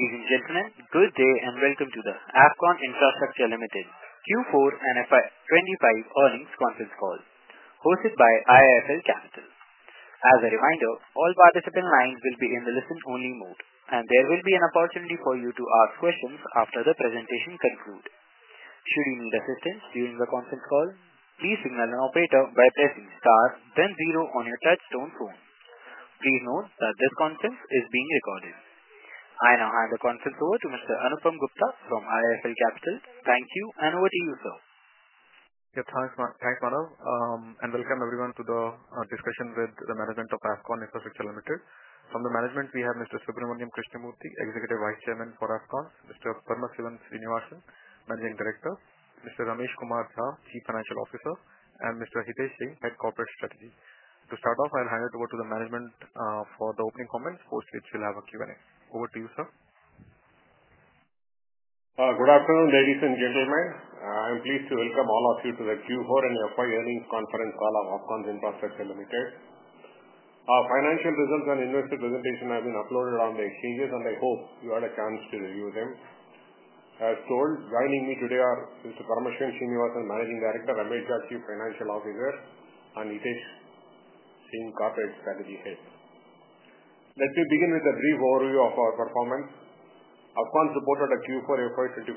Ladies and gentlemen, good day and welcome to the Afcons Infrastructure Limited Q4 and FY 2025 earnings conference call, hosted by IIFL Capital. As a reminder, all participant lines will be in the listen-only mode, and there will be an opportunity for you to ask questions after the presentation concludes. Should you need assistance during the conference call, please signal an operator by pressing star, then zero on your touchstone phone. Please note that this conference is being recorded. I now hand the conference over to Mr. Anupam Gupta from IIFL Capital. Thank you, and over to you, sir. Yatharth Prakhmana, and welcome everyone to the discussion with the management of Afcons Infrastructure Limited. From the management, we have Mr. Subramanian Krishnamurthy, Executive Vice Chairman for Afcons; Mr. Paramasivan Srinivasan, Managing Director; Mr. Ramesh Kumar Jha, Chief Financial Officer; and Mr. Hitesh Singh, Head Corporate Strategy. To start off, I'll hand it over to the management for the opening comments, post which we'll have a Q&A. Over to you, sir. Good afternoon, ladies and gentlemen. I'm pleased to welcome all of you to the Q4 and FY earnings conference call of Afcons Infrastructure Limited. Our financial results and investor presentations have been uploaded on the exchanges, and I hope you had a chance to review them. As told, joining me today are Mr. Paramasivan Srinivasan, Managing Director; Mr. Ramesh Jha, Chief Financial Officer; and Mr. Hitesh Singh, Corporate Strategy Head. Let me begin with a brief overview of our performance. Afcons supported a Q4 FY 2025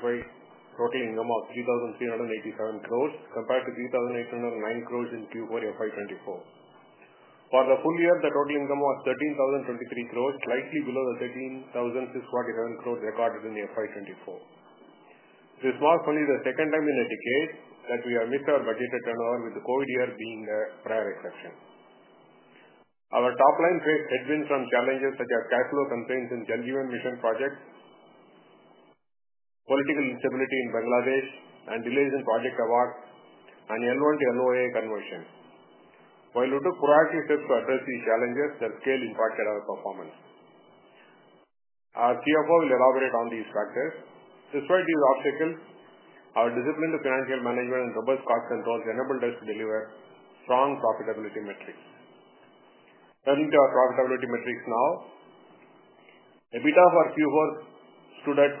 total income of 3,387 crore, compared to 3,809 crore in Q4 FY 2024. For the full year, the total income was 13,023 crore, slightly below the 13,647 crore recorded in FY 2024. This marks only the second time in a decade that we have missed our budgeted turnover, with the COVID year being a prior exception. Our top-line traits had been from challenges such as cash flow constraints in the Jal Jeevan Mission project, political instability in Bangladesh, and delays in project awards and L1 to LOA conversion. While we took proactive steps to address these challenges, the scale impacted our performance. Our CFO will elaborate on these factors. Despite these obstacles, our discipline to financial management and robust cost controls enabled us to deliver strong profitability metrics. Turning to our profitability metrics now, EBITDA for Q4 stood at 415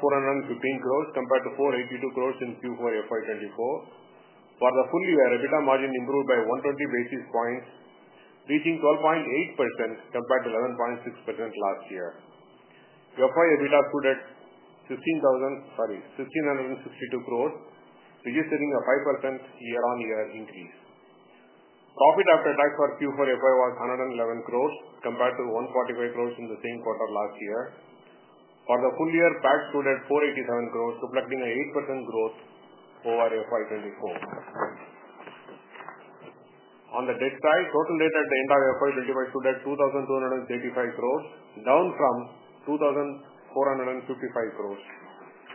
crore, compared to 482 crore in Q4 FY 2024. For the full year, EBITDA margin improved by 120 basis points, reaching 12.8% compared to 11.6% last year. FY EBITDA stood at 1,662 crore, registering a 5% year-on-year increase. Profit after tax for Q4 FY was 111 crore, compared to 145 crore in the same quarter last year. For the full year, PAT stood at 487 crore, reflecting an 8% growth over FY 2024. On the debt side, total debt at the end of FY 2025 stood at 2,235 crore, down from 2,455 crore.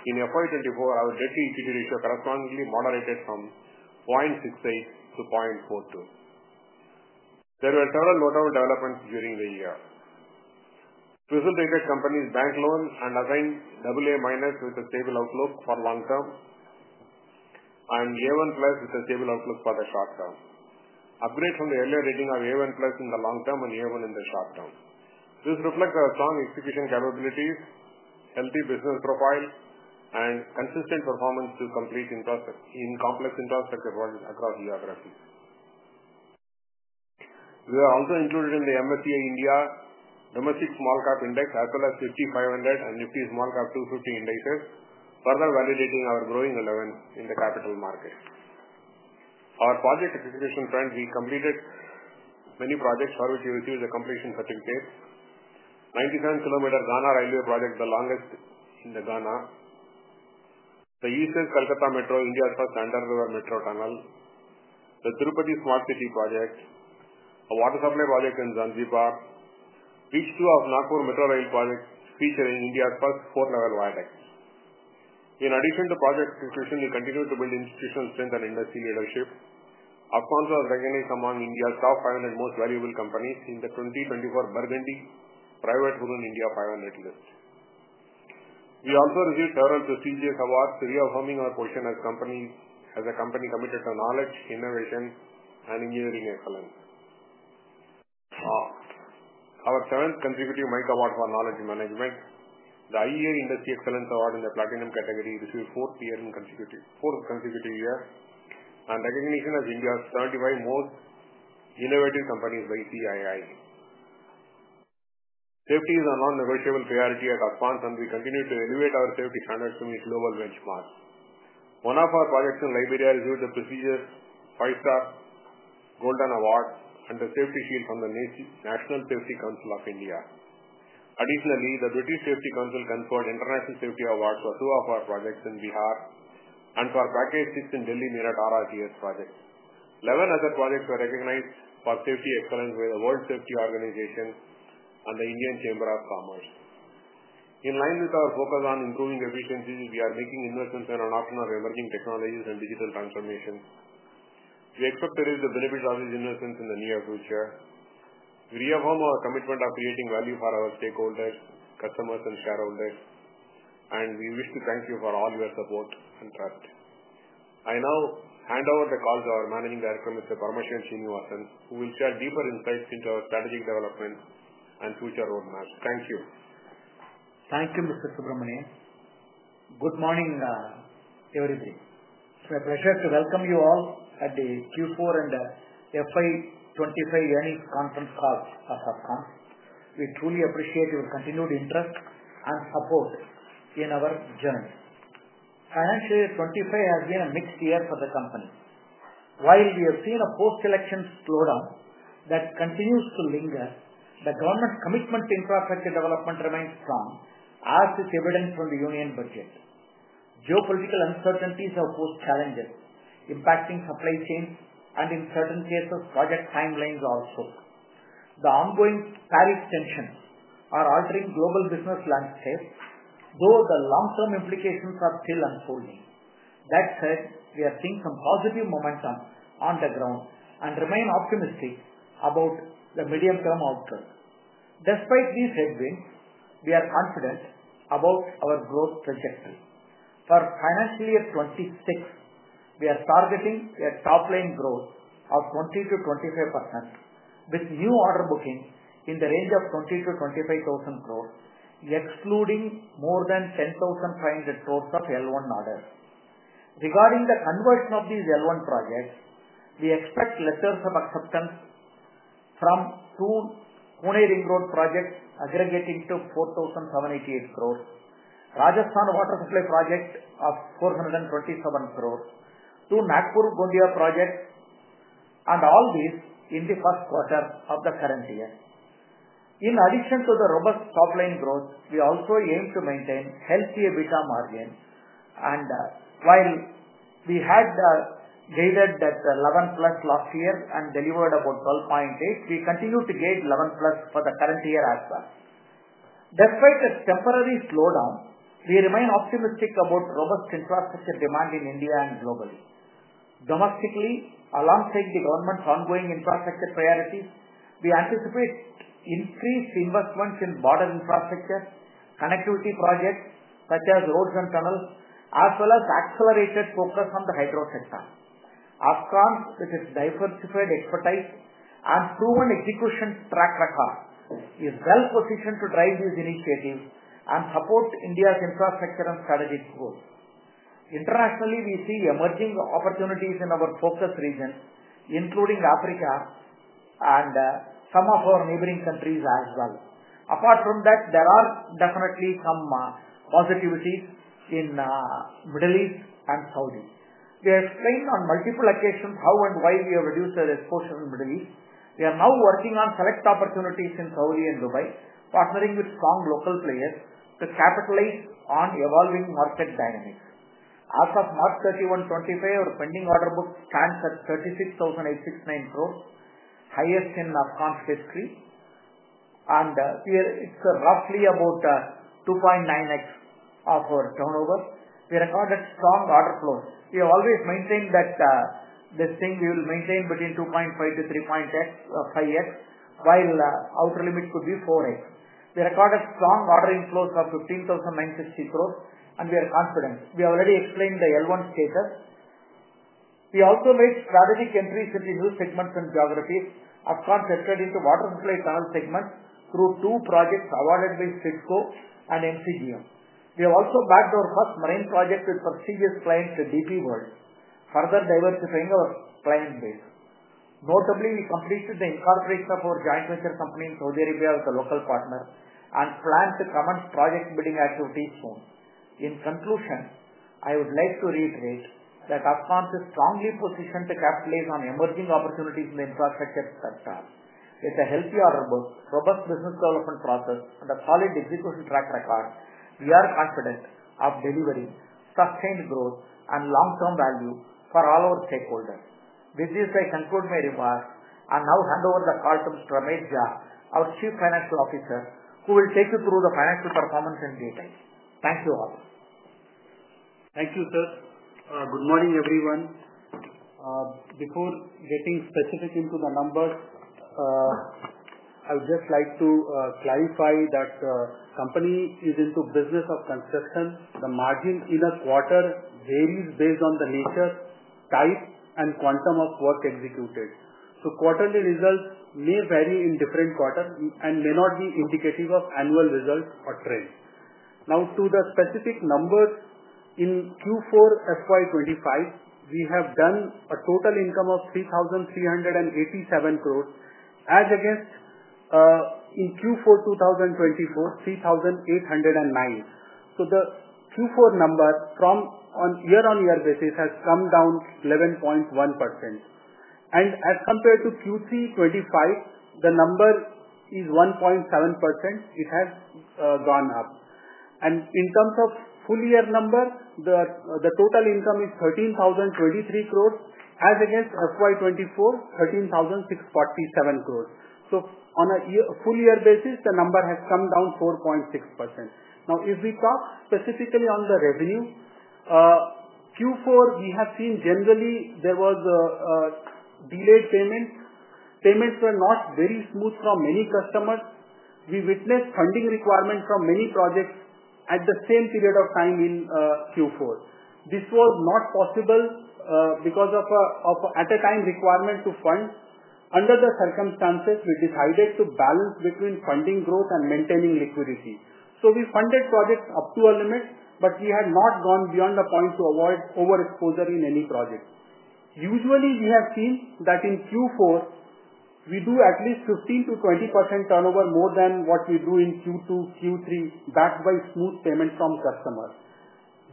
In FY 2024, our debt-to-equity ratio correspondingly moderated from 0.68 to 0.42. There were several notable developments during the year. Result rated companies' bank loans assigned AA- with a stable outlook for the long term and A1+ with a stable outlook for the short term. Upgrades from the earlier rating of A1+ in the long term and A1 in the short term. This reflects our strong execution capabilities, healthy business profile, and consistent performance to complete complex infrastructure projects across geographies. We were also included in the MSCI India Domestic Small Cap Index, as well as Nifty 500 and Nifty Small Cap 250 indices, further validating our growing eleven in the capital market. Our project execution trend: we completed many projects for which we received the completion certificates: 97 km Ghana Railway project, the longest in Ghana, the East-West Kolkata Metro, India's first under-river metro tunnel, the Tirupati Smart City project, a water supply project in Zanzibar, and the Reach 2 of Nagpur Metro Rail project, featuring India's first four-level viaduct. In addition to project execution, we continued to build institutional strength and industry leadership. Afcons was recognized among India's top 500 most valuable companies in the 2024 Burgundy Private Woman India 500 list. We also received several prestigious awards, reaffirming our position as a company committed to knowledge, innovation, and engineering excellence. Our seventh consecutive MIKE award for knowledge management, the CII Industry Excellence Award in the Platinum category, received fourth consecutive year and recognition as India's 35 most innovative companies by CII. Safety is a non-negotiable priority at Afcons, and we continue to elevate our safety standards to meet global benchmarks. One of our projects in Liberia received the prestigious Five-Star Golden Award and the Safety Shield from the National Safety Council of India. Additionally, the British Safety Council conferred international safety awards for two of our projects in Bihar and for Package 6 in Delhi-Meerut RRTS projects. Eleven other projects were recognized for safety excellence by the World Safety Organization and the Indian Chamber of Commerce. In line with our focus on improving efficiencies, we are making investments in adoption of emerging technologies and digital transformation. We expect to reap the benefits of these investments in the near future. We reaffirm our commitment of creating value for our stakeholders, customers, and shareholders, and we wish to thank you for all your support and trust. I now hand over the call to our Managing Director, Mr. Paramasivan Srinivasan, who will share deeper insights into our strategic developments and future roadmaps. Thank you. Thank you, Mr. Subramanian. Good morning, everybody. It's my pleasure to welcome you all at the Q4 and FY 2025 earnings conference call of Afcons. We truly appreciate your continued interest and support in our journey. Financial Year 2025 has been a mixed year for the company. While we have seen a post-election slowdown that continues to linger, the government's commitment to infrastructure development remains strong, as is evident from the union budget. Geopolitical uncertainties have posed challenges, impacting supply chains and, in certain cases, project timelines also. The ongoing tariff tensions are altering the global business landscape, though the long-term implications are still unfolding. That said, we are seeing some positive momentum on the ground and remain optimistic about the medium-term outlook. Despite these headwinds, we are confident about our growth trajectory. For Financial Year 2026, we are targeting a top-line growth of 20%-25%, with new order bookings in the range of 20,000 crore-25,000 crore, excluding more than 10,500 crore of L1 orders. Regarding the conversion of these L1 projects, we expect letters of acceptance from two Pune Ring Road projects aggregating to 4,788 crore, Rajasthan Water Supply Project of 427 crore, two Nagpur-Gondia projects, and all these in the first quarter of the current year. In addition to the robust top-line growth, we also aim to maintain a healthy EBITDA margin, and while we had gated at 11%+ last year and delivered about 12.8%, we continue to gate 11%+ for the current year as well. Despite a temporary slowdown, we remain optimistic about robust infrastructure demand in India and globally. Domestically, alongside the government's ongoing infrastructure priorities, we anticipate increased investments in border infrastructure, connectivity projects such as roads and tunnels, as well as accelerated focus on the hydro sector. Afcons, with its diversified expertise and proven execution track record, is well-positioned to drive these initiatives and support India's infrastructure and strategic goals. Internationally, we see emerging opportunities in our focus region, including Africa and some of our neighboring countries as well. Apart from that, there are definitely some positivities in the Middle East and Saudi. We have explained on multiple occasions how and why we have reduced our exposure in the Middle East. We are now working on select opportunities in Saudi and Dubai, partnering with strong local players to capitalize on evolving market dynamics. As of March 31, 2025, our pending order book stands at 36,869 crore, highest in Afcons' history, and it's roughly about 2.9x of our turnover. We recorded strong order flows. We have always maintained that this thing we will maintain between 2.5x-3.5x, while the outer limit could be 4x. We recorded strong ordering flows of 15,960 crore, and we are confident. We have already explained the L1 status. We also made strategic entries into new segments and geographies. Afcons entered into water supply tunnel segments through two projects awarded by SIDCO and MCGM. We have also backed our first marine project with prestigious client, DP World, further diversifying our client base. Notably, we completed the incorporation of our joint venture company in Saudi Arabia with a local partner and plan to commence project bidding activities soon. In conclusion, I would like to reiterate that Afcons is strongly positioned to capitalize on emerging opportunities in the infrastructure sector. With a healthy order book, robust business development process, and a solid execution track record, we are confident of delivering sustained growth and long-term value for all our stakeholders. With this, I conclude my remarks and now hand over the call to Mr. Ramesh Jha, our Chief Financial Officer, who will take you through the financial performance and data. Thank you all. Thank you, sir. Good morning, everyone. Before getting specific into the numbers, I would just like to clarify that the company is into business of construction. The margin in a quarter varies based on the nature, type, and quantum of work executed. Quarterly results may vary in different quarters and may not be indicative of annual results or trends. Now, to the specific numbers, in Q4 FY 2025, we have done a total income of 3,387 crore, as against in Q4 2024, 3,809 crore. The Q4 number from year-on-year basis has come down 11.1%. As compared to Q3 2025, the number is 1.7%. It has gone up. In terms of full-year number, the total income is 13,023 crore, as against FY 2024, 13,647 crore. On a full-year basis, the number has come down 4.6%. Now, if we talk specifically on the revenue, Q4 we have seen generally there was delayed payments. Payments were not very smooth from many customers. We witnessed funding requirements from many projects at the same period of time in Q4. This was not possible because of, at the time, requirement to fund. Under the circumstances, we decided to balance between funding growth and maintaining liquidity. We funded projects up to our limit, but we had not gone beyond the point to avoid overexposure in any project. Usually, we have seen that in Q4, we do at least 15%-20% turnover more than what we do in Q2, Q3, backed by smooth payment from customers.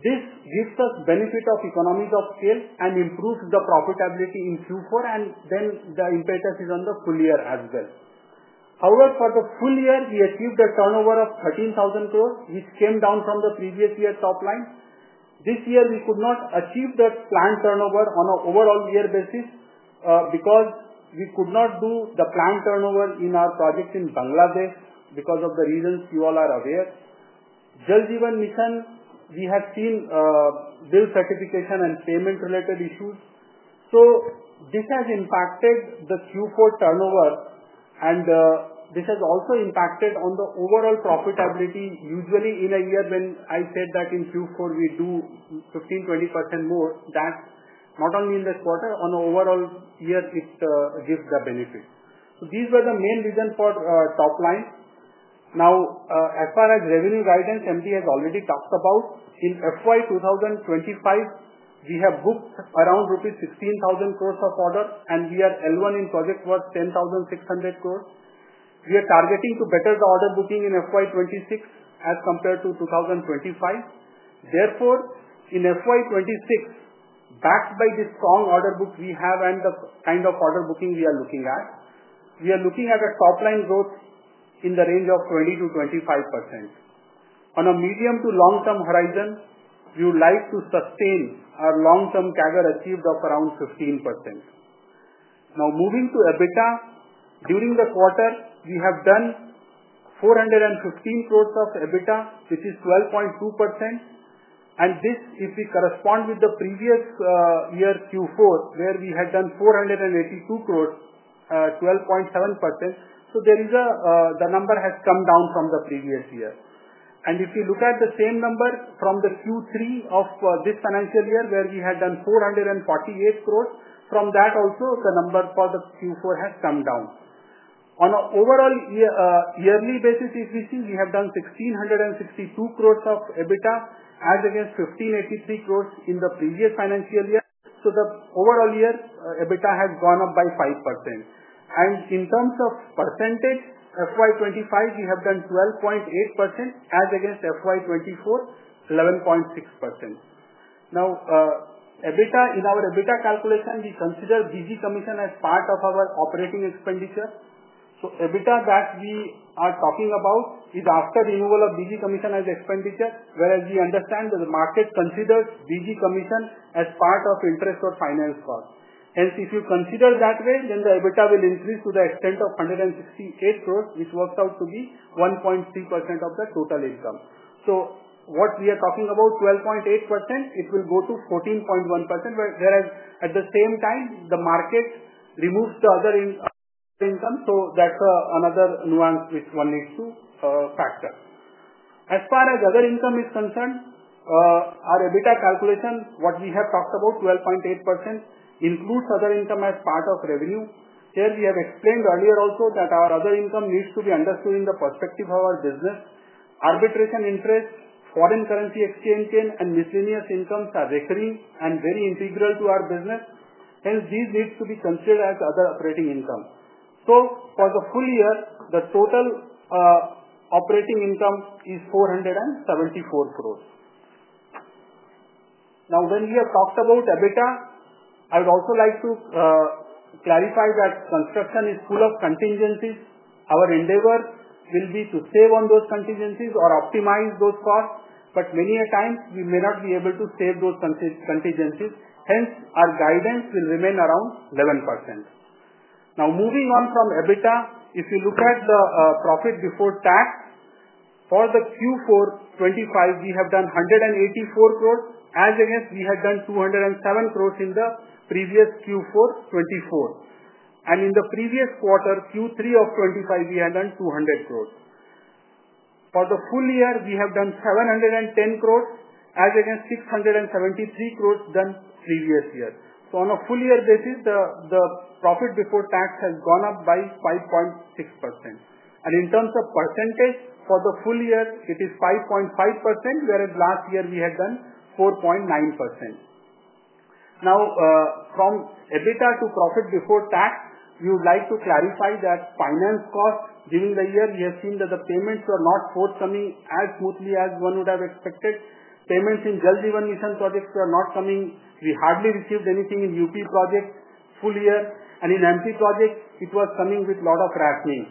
This gives us the benefit of economies of scale and improves the profitability in Q4, and then the impetus is on the full year as well. However, for the full year, we achieved a turnover of 13,000 crore, which came down from the previous year top line. This year, we could not achieve the planned turnover on an overall year basis because we could not do the planned turnover in our projects in Bangladesh because of the reasons you all are aware. Jal Jeevan Mission, we have seen bill certification and payment-related issues. This has impacted the Q4 turnover, and this has also impacted the overall profitability. Usually, in a year, when I said that in Q4 we do 15%-20% more, that's not only in this quarter, but on the overall year, it gives the benefit. These were the main reasons for top line. Now, as far as revenue guidance, MD has already talked about. In FY 2025, we have booked around rupees 16,000 crore of orders, and we are L1 in project work 10,600 crore. We are targeting to better the order booking in FY 2026 as compared to 2025. Therefore, in FY 2026, backed by this strong order book we have and the kind of order booking we are looking at, we are looking at a top-line growth in the range of 20%-25%. On a medium to long-term horizon, we would like to sustain our long-term CAGR achieved of around 15%. Now, moving to EBITDA, during the quarter, we have done 415 crore of EBITDA, which is 12.2%. If we correspond this with the previous year, Q4, where we had done 482 crore, 12.7%, there is a number that has come down from the previous year. If you look at the same number from the Q3 of this financial year, where we had done 448 crore, from that also, the number for the Q4 has come down. On an overall yearly basis, if we see, we have done 1,662 crore of EBITDA, as against 1,583 crore in the previous financial year. The overall year EBITDA has gone up by 5%. In terms of percentage, FY 2025, we have done 12.8%, as against FY 2024, 11.6%. Now, EBITDA, in our EBITDA calculation, we consider BG Commission as part of our operating expenditure. So, EBITDA that we are talking about is after renewal of BG Commission as expenditure, whereas we understand the market considers BG Commission as part of interest or finance costs. Hence, if you consider that way, then the EBITDA will increase to the extent of 168 crore, which works out to be 1.3% of the total income. What we are talking about, 12.8%, it will go to 14.1%, whereas at the same time, the market removes the other income. That is another nuance which one needs to factor. As far as other income is concerned, our EBITDA calculation, what we have talked about, 12.8%, includes other income as part of revenue. Here, we have explained earlier also that our other income needs to be understood in the perspective of our business. Arbitration interest, foreign currency exchange gain, and miscellaneous incomes are recurring and very integral to our business. Hence, these need to be considered as other operating income. For the full year, the total operating income is 474 crore. Now, when we have talked about EBITDA, I would also like to clarify that construction is full of contingencies. Our endeavor will be to save on those contingencies or optimize those costs, but many a times, we may not be able to save those contingencies. Hence, our guidance will remain around 11%. Now, moving on from EBITDA, if you look at the profit before tax, for the Q4 2025, we have done 184 crore, as against we had done 207 crore in the previous Q4 2024. In the previous quarter, Q3 of 2025, we had done 200 crore. For the full year, we have done 710 crore, as against 673 crore done previous year. On a full-year basis, the profit before tax has gone up by 5.6%. In terms of percentage, for the full year, it is 5.5%, whereas last year we had done 4.9%. Now, from EBITDA to profit before tax, we would like to clarify that finance costs during the year, we have seen that the payments were not forthcoming as smoothly as one would have expected. Payments in Jal Jeevan Mission projects were not coming. We hardly received anything in UP projects full year, and in MP projects, it was coming with a lot of rationing.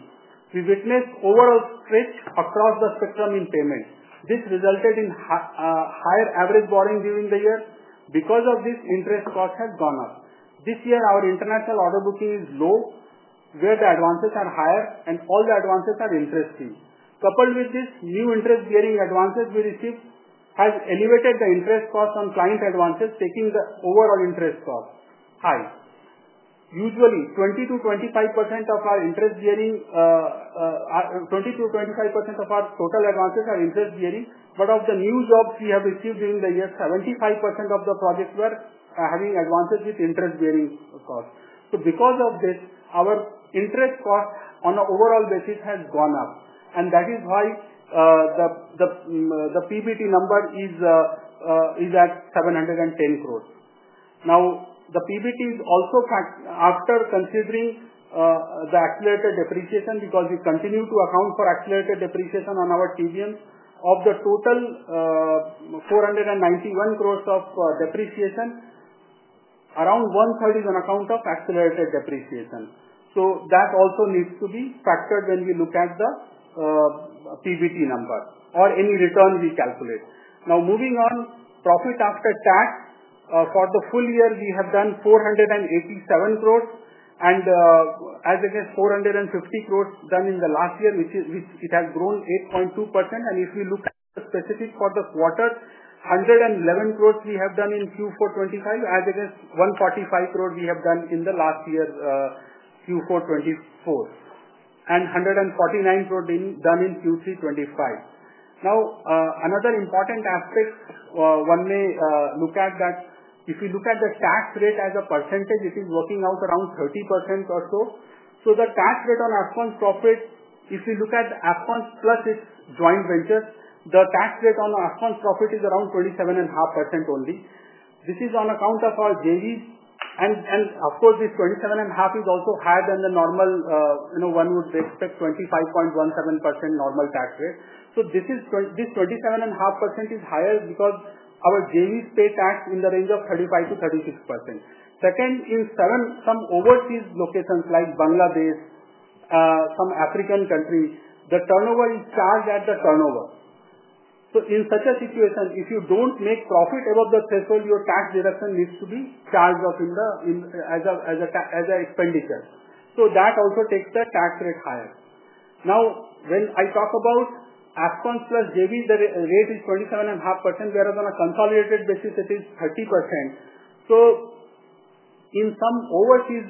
We witnessed overall stretch across the spectrum in payments. This resulted in higher average borrowing during the year. Because of this, interest costs have gone up. This year, our international order booking is low, where the advances are higher, and all the advances are interesting. Coupled with this, new interest-bearing advances we received have elevated the interest costs on client advances, taking the overall interest costs high. Usually, 20%-25% of our interest-bearing, 20%-25% of our total advances are interest-bearing, but of the new jobs we have received during the year, 75% of the projects were having advances with interest-bearing costs. Because of this, our interest costs on an overall basis have gone up, and that is why the PBT number is at 710 crore. Now, the PBT is also factored after considering the accelerated depreciation because we continue to account for accelerated depreciation on our TBMs. Of the total 491 crore of depreciation, around one-third is on account of accelerated depreciation. So, that also needs to be factored when we look at the PBT number or any return we calculate. Now, moving on, profit after tax, for the full year, we have done 487 crore, and as against 450 crore done in the last year, which it has grown 8.2%. If we look at the specific for the quarter, 111 crore we have done in Q4 2025, as against 145 crore we have done in the last year, Q4 2024, and 149 crore done in Q3 2025. Another important aspect one may look at, if we look at the tax rate as a percentage, it is working out around 30% or so. The tax rate on Afcons's profit, if we look at Afcons plus its joint ventures, the tax rate on Afcon's profit is around 27.5% only. This is on account of our JVs, and of course, this 27.5% is also higher than the normal one would expect, 25.17% normal tax rate. This 27.5% is higher because our JVs pay tax in the range of 35%-36%. Second, in some overseas locations like Bangladesh, some African countries, the turnover is charged at the turnover. In such a situation, if you do not make profit above the threshold, your tax deduction needs to be charged off as an expenditure. That also takes the tax rate higher. Now, when I talk about Afcons plus JVs, the rate is 27.5%, whereas on a consolidated basis, it is 30%. In some overseas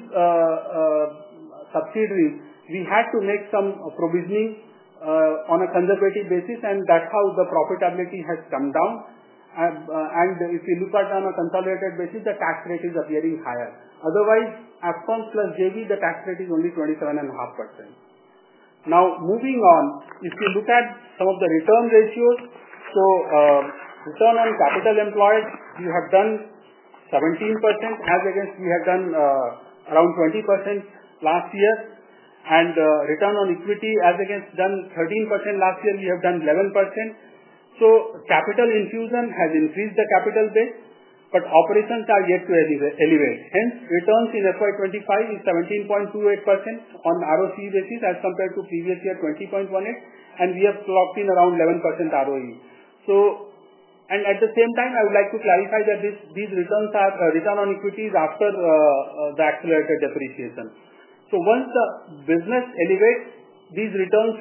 subsidiaries, we had to make some provisioning on a conservative basis, and that is how the profitability has come down. If you look at it on a consolidated basis, the tax rate is appearing higher. Otherwise, Afcons plus JV, the tax rate is only 27.5%. Now, moving on, if you look at some of the return ratios, so return on capital employed, we have done 17%, as against we had done around 20% last year. And return on equity, as against done 13% last year, we have done 11%. So, capital infusion has increased the capital base, but operations are yet to elevate. Hence, returns in FY 2025 is 17.28% on ROCE basis as compared to previous year 20.18%, and we have locked in around 11% ROE. So, and at the same time, I would like to clarify that these returns are return on equities after the accelerated depreciation. So, once the business elevates, these returns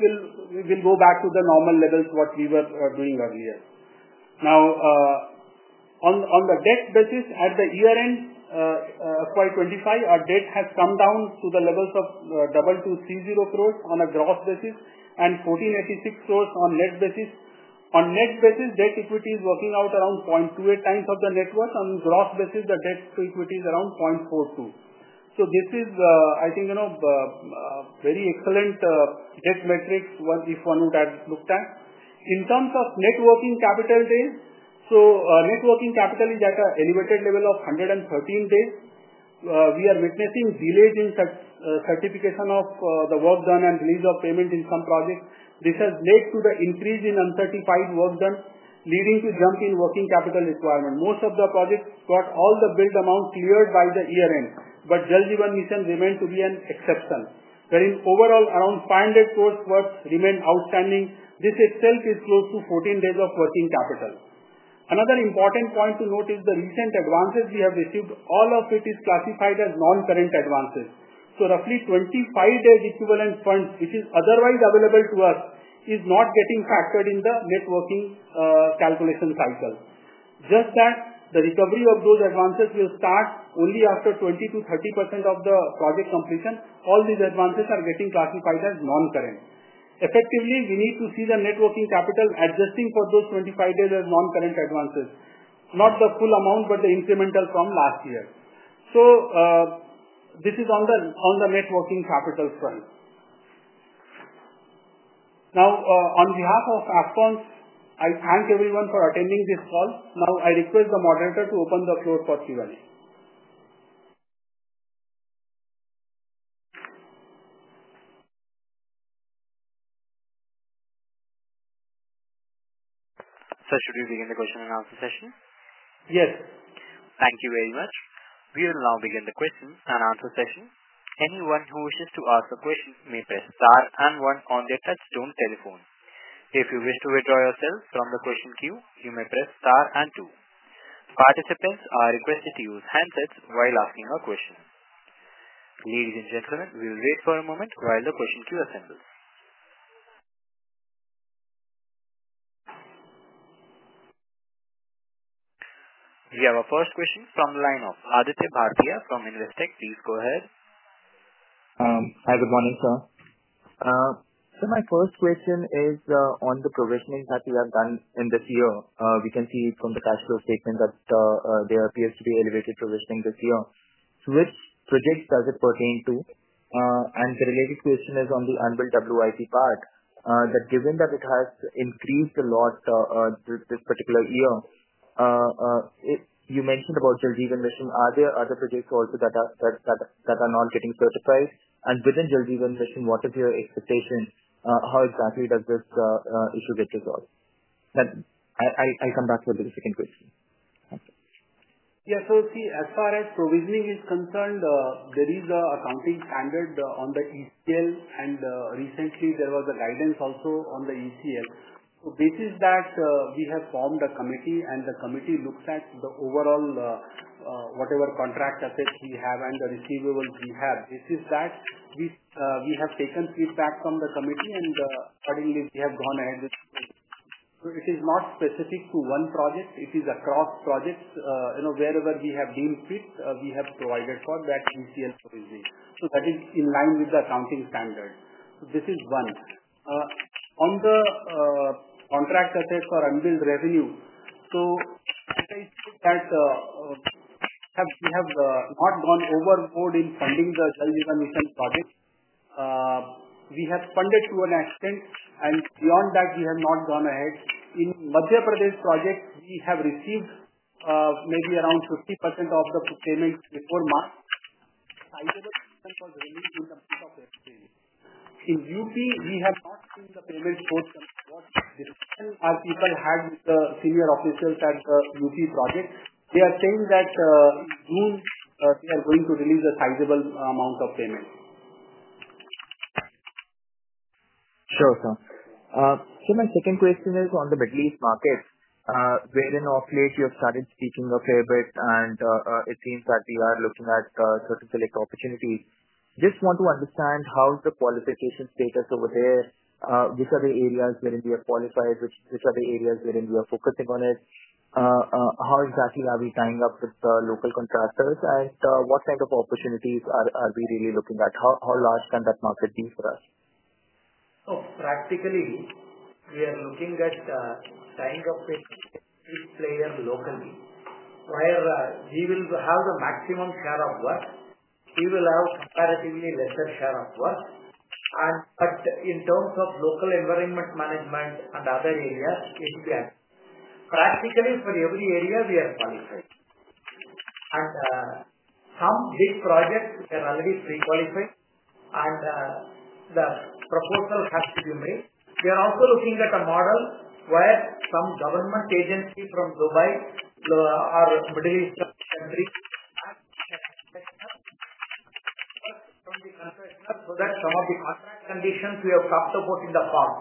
will go back to the normal levels, what we were doing earlier. Now, on the debt basis, at the year end, FY 2025, our debt has come down to the levels of 2,230 crore on a gross basis and 1,486 crore on net basis. On net basis, debt equity is working out around 0.28x of the net worth. On gross basis, the debt to equity is around 0.42. This is, I think, very excellent debt metrics if one would have looked at. In terms of net working capital days, net working capital is at an elevated level of 113 days. We are witnessing delays in certification of the work done and delays of payment in some projects. This has led to the increase in uncertified work done, leading to a jump in working capital requirement. Most of the projects got all the billed amount cleared by the year end, but Jal Jeevan Mission remained to be an exception, wherein overall around 500 crore worth remained outstanding. This itself is close to 14 days of working capital. Another important point to note is the recent advances we have received. All of it is classified as non-current advances. So, roughly 25 days equivalent funds, which is otherwise available to us, are not getting factored in the net working calculation cycle. Just that the recovery of those advances will start only after 20%-30% of the project completion. All these advances are getting classified as non-current. Effectively, we need to see the net working capital adjusting for those 25 days as non-current advances, not the full amount, but the incremental from last year. This is on the net working capital front. on behalf of Afcons, I thank everyone for attending this call. Now, I request the moderator to open the floor for Q&A. Sir, should we begin the question and answer session? Yes. Thank you very much. We will now begin the question and answer session. Anyone who wishes to ask a question may press star and one on their touchstone telephone. If you wish to withdraw yourself from the question queue, you may press star and two. Participants are requested to use handsets while asking a question. Ladies and gentlemen, we will wait for a moment while the question queue assembles. We have a first question from the line of Aditya Bhartia from Investec. Please go ahead. Hi, good morning, sir. Sir, my first question is on the provisioning that we have done in this year. We can see from the cash flow statement that there appears to be elevated provisioning this year. To which project does it pertain to? The related question is on the annual WIP part, that given that it has increased a lot this particular year, you mentioned about Jal Jeevan Mission. Are there other projects also that are not getting certified? Within Jal Jeevan Mission, what is your expectation? How exactly does this issue get resolved? Now, I'll come back to the second question. Yeah, as far as provisioning is concerned, there is an accounting standard on the ECL, and recently there was a guidance also on the ECL. On that basis, we have formed a committee, and the committee looks at the overall whatever contract assets we have and the receivables we have. This is that we have taken feedback from the committee, and accordingly, we have gone ahead with the provisioning. It is not specific to one project. It is across projects. Wherever we have deemed fit, we have provided for that ECL provisioning. That is in line with the accounting standard. This is one. On the contract assets or unbilled revenue, as I said, we have not gone overboard in funding the Jal Jeevan Mission project. We have funded to an extent, and beyond that, we have not gone ahead. In Madhya Pradesh projects, we have received maybe around 50% of the payments before March. The sizable portion was released in the month of exchange. In UP, we have not seen the payment force what discussion our people had with the senior officials at the UP project. They are saying that in June, they are going to release a sizable amount of payment. Sure, sir. Sir, my second question is on the Middle East market, wherein of late you have started speaking a fair bit, and it seems that we are looking at certain opportunities. Just want to understand how's the qualification status over there. Which are the areas wherein we have qualified? Which are the areas wherein we are focusing on it? How exactly are we tying up with the local contractors, and what kind of opportunities are we really looking at? How large can that market be for us? Practically, we are looking at tying up with a player locally. Where we will have the maximum share of work, we will have a comparatively lesser share of work. In terms of local environment management and other areas, it will be advanced. Practically, for every area, we are qualified. Some big projects, we are already pre-qualified, and the proposal has to be made. We are also looking at a model where some government agency from Dubai or Middle Eastern countries can work with the concessional so that some of the contract conditions we have talked about in the form,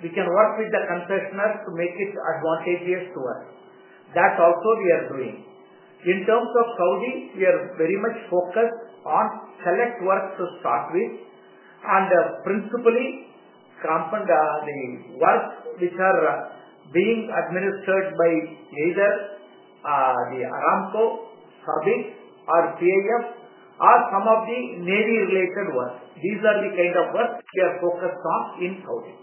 we can work with the concessional to make it advantageous to us. That also we are doing. In terms of Saudi, we are very much focused on select work to start with. Principally, the work which are being administered by either Aramco, SABIC, or PIF, or some of the Navy-related work. These are the kind of work we are focused on in Saudi.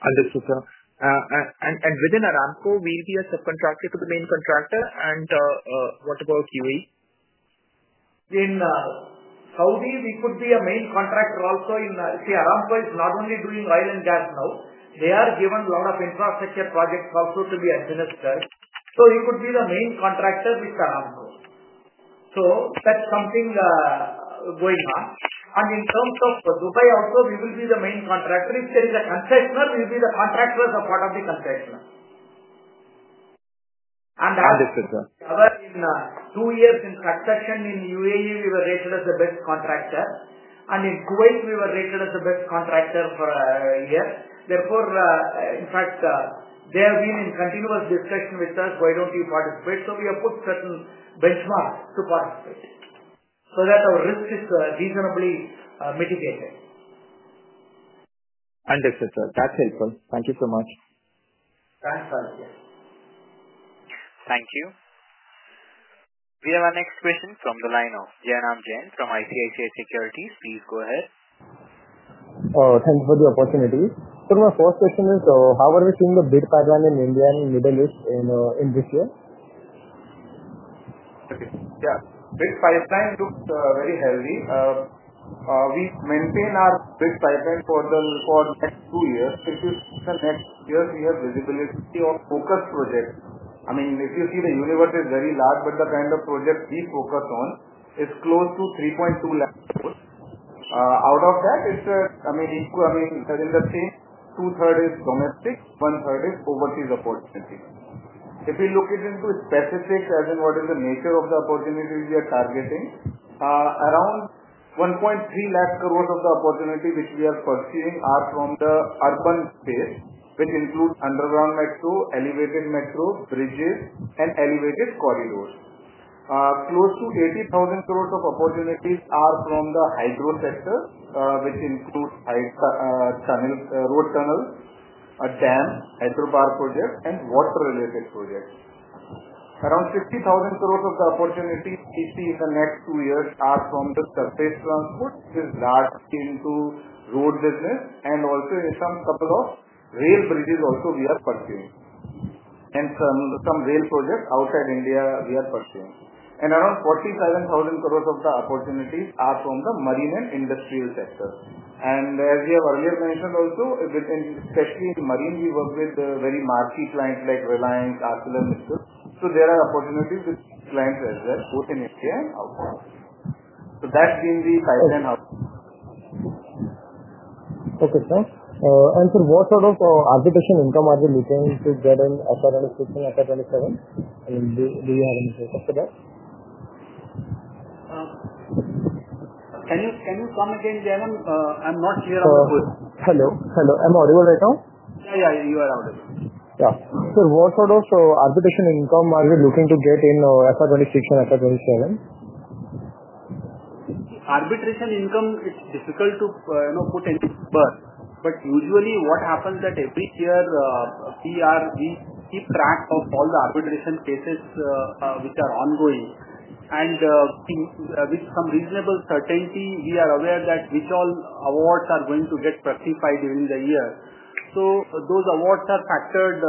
Understood, sir. Within Aramco, will we be a subcontractor to the main contractor? What about UAE? In Saudi, we could be a main contractor also. Aramco is not only doing oil and gas now. They are giving a lot of infrastructure projects also to be administered. So we could be the main contractor with Aramco. That is something going on. In terms of Dubai also, we will be the main contractor. If there is a consessional, we will be the contractors as part of the consessional. Understood, sir. In two years in succession in UAE, we were rated as the best contractor. In Kuwait, we were rated as the best contractor for a year. Therefore, in fact, they have been in continuous discussion with us, "Why don't you participate?" We have put certain benchmarks to participate so that our risk is reasonably mitigated. Understood, sir. That is helpful. Thank you so much. Thanks, Aditya. Thank you. We have our next question from the line of Jainam Jain from ICICI Securities. Please go ahead. Thanks for the opportunity. Sir, my first question is, how are we seeing the bid pipeline in India and Middle East in this year? Okay. Yeah. Bid pipeline looks very healthy. We maintain our bid pipeline for the next two years. In the next years, we have visibility of focus projects. I mean, if you see, the universe is very large, but the kind of projects we focus on is close to 320,000 crore. Out of that, it's a, I mean, as in the same, 2/3 is domestic, 1/3 is overseas opportunity. If we look it into specifics as in what is the nature of the opportunity we are targeting, around 1.3 lakh crore of the opportunity which we are pursuing are from the urban space, which includes underground metro, elevated metro, bridges, and elevated corridors. Close to 80,000 crore of opportunities are from the hydro sector, which includes road tunnels, a dam, hydropower projects, and water-related projects. Around 50,000 crore of the opportunity we see in the next two years are from the surface transport, which is largely into road business, and also in some couple of rail bridges also we are pursuing. Some rail projects outside India, we are pursuing. Around 47,000 crore of the opportunities are from the marine and industrial sector. As we have earlier mentioned also, especially in marine, we work with very marquee clients like Reliance, ArcelorMittal. There are opportunities with clients as well, both in India and outside. That's been the pipeline out. Okay, sir. Sir, what sort of arbitration income are we looking to get in FY 2026 and FY 2027? Do you have any thoughts after that? Can you come again, Jainam? I'm not clear on the question. Hello. Hello. Am I audible right now? Yeah, yeah. You are audible. Yeah. Sir, what sort of arbitration income are we looking to get in FY 2026 and FY 2027? Arbitration income, it's difficult to put any number. Usually, what happens is that every year, we keep track of all the arbitration cases which are ongoing. With some reasonable certainty, we are aware which all awards are going to get rectified during the year. Those awards are factored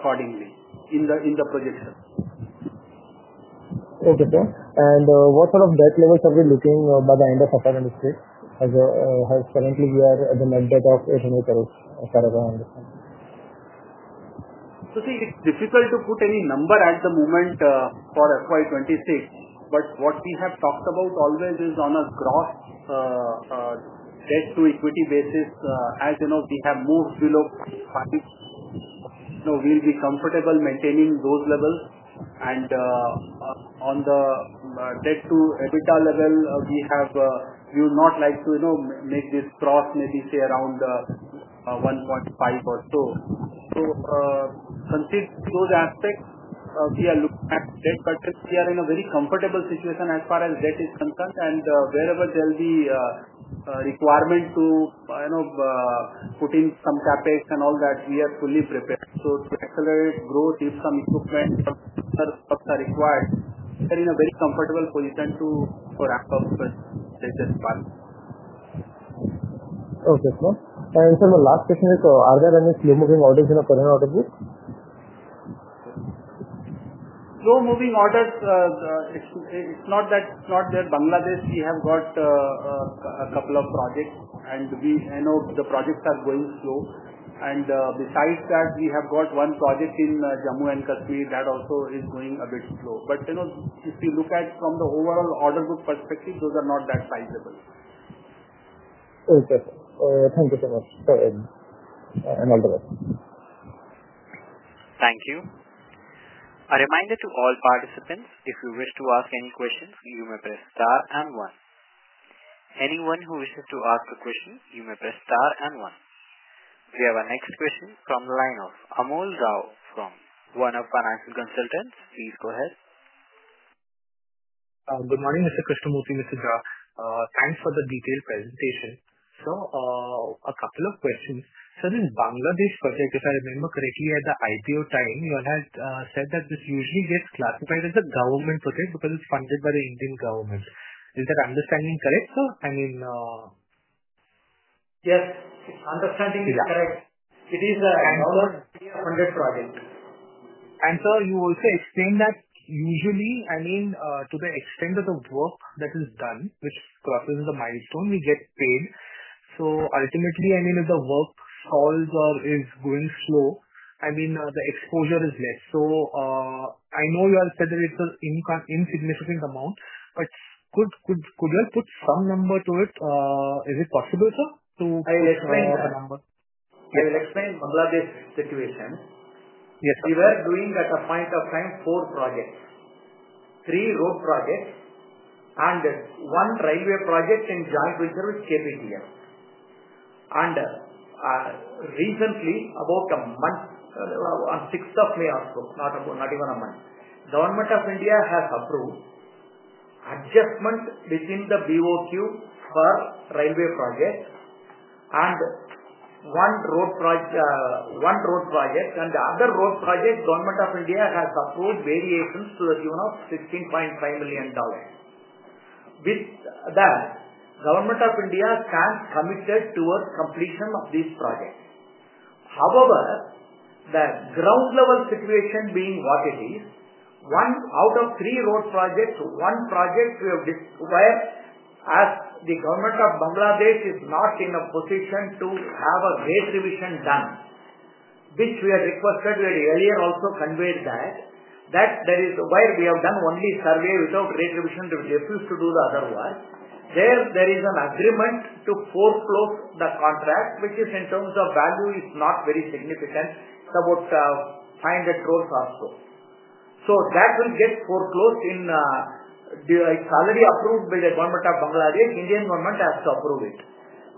accordingly in the projection. Okay, sir. What sort of debt levels are we looking at by the end of FY 2026? Currently, we are at the net debt of 800 crore, as far as I understand. See, it's difficult to put any number at the moment for FY 2026. What we have talked about always is on a gross debt-to-equity basis. As we have moved below 0.5, we'll be comfortable maintaining those levels. On the debt-to-EBITDA level, we would not like to make this cross, maybe say around 1.5 or so. Considering those aspects, we are looking at debt curtain. We are in a very comfortable situation as far as debt is concerned. Wherever there will be requirement to put in some capex and all that, we are fully prepared. To accelerate growth, if some equipment or other stuff are required, we are in a very comfortable position to. For accounting purposes as well. Okay, sir. My last question is, are there any slow-moving orders in a permanent order book? Slow-moving orders, it's not that. Not there. Bangladesh, we have got a couple of projects. The projects are going slow. Besides that, we have got one project in Jammu and Kashmir that also is going a bit slow. If we look at it from the overall order book perspective, those are not that sizable. Okay, sir. Thank you so much. All the best. Thank you. A reminder to all participants, if you wish to ask any questions, you may press star and one. Anyone who wishes to ask a question, you may press star and one. We have our next question from the line of Amol Rao from One Up Financial Consultants. Please go ahead. Good morning, Mr. Krishnamurthy. Mr. Jha, thanks for the detailed presentation. Sir, a couple of questions. Sir, in Bangladesh project, if I remember correctly, at the IPO time, you had said that this usually gets classified as a government project because it's funded by the Indian government. Is that understanding correct, sir? I mean... Yes. Understanding is correct. It is a non-FDI funded project. And sir, you also explained that usually, I mean, to the extent of the work that is done, which crosses the milestone, we get paid. Ultimately, I mean, if the work stalls or is going slow, I mean, the exposure is less. I know you have said that it's an insignificant amount, but could you have put some number to it? Is it possible, sir, to put a number? I will explain. I will explain Bangladesh situation. We were doing at a point of time four projects. Three road projects and one railway project in joint venture with KPTM. Recently, about a month, on 6th of May also, not even a month, Government of India has approved adjustment within the BoQ for railway projects and one road project. The other road project, Government of India has approved variations to the tune of $16.5 million. With that, Government of India stands committed towards completion of these projects. However, the ground-level situation being what it is, out of three road projects, one project we have where as the Government of Bangladesh is not in a position to have a rate revision done, which we had requested, we had earlier also conveyed that, that there is where we have done only survey without rate revision, refused to do the other work, there is an agreement to foreclose the contract, which is in terms of value, it's not very significant, it's about 500 crore or so. That will get foreclosed and it's already approved by the Government of Bangladesh. Indian government has to approve it.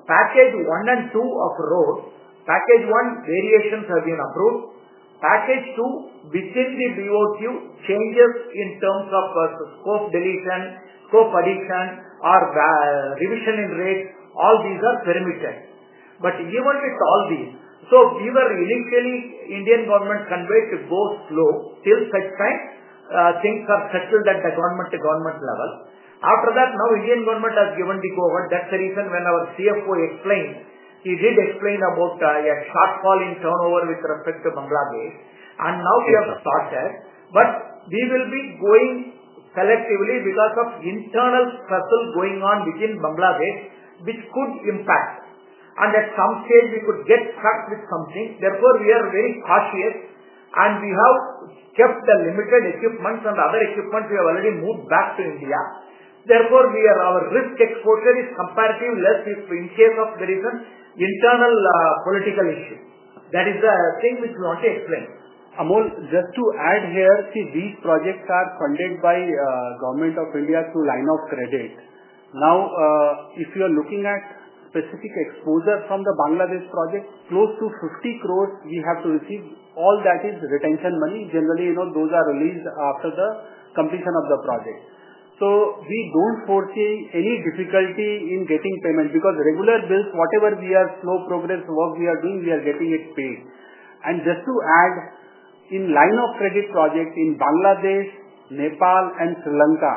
Package one and two of road, Package one, variations have been approved. Package two, within the BoQ, changes in terms of scope deletion, scope addition, or revision in rate, all these are permitted. Even with all these, we were initially, Indian government conveyed to go slow till such time things are settled at the government-to-government level. After that, now Indian government has given the go-ahead. That's the reason when our CFO explained, he did explain about a shortfall in turnover with respect to Bangladesh. Now we have started. We will be going selectively because of internal stressful going on within Bangladesh, which could impact. At some stage, we could get stuck with something. Therefore, we are very cautious. We have kept the limited equipment and other equipment, we have already moved back to India. Therefore, our risk exposure is comparatively less if in case of the reason internal political issue. That is the thing which we want to explain. Amol, just to add here, these projects are funded by Government of India through line of credit. Now, if you are looking at specific exposure from the Bangladesh project, close to 50 crore, we have to receive. All that is retention money. Generally, those are released after the completion of the project. We do not foresee any difficulty in getting payment because regular bills, whatever slow progress work we are doing, we are getting it paid. Just to add, in line of credit projects in Bangladesh, Nepal, and Sri Lanka,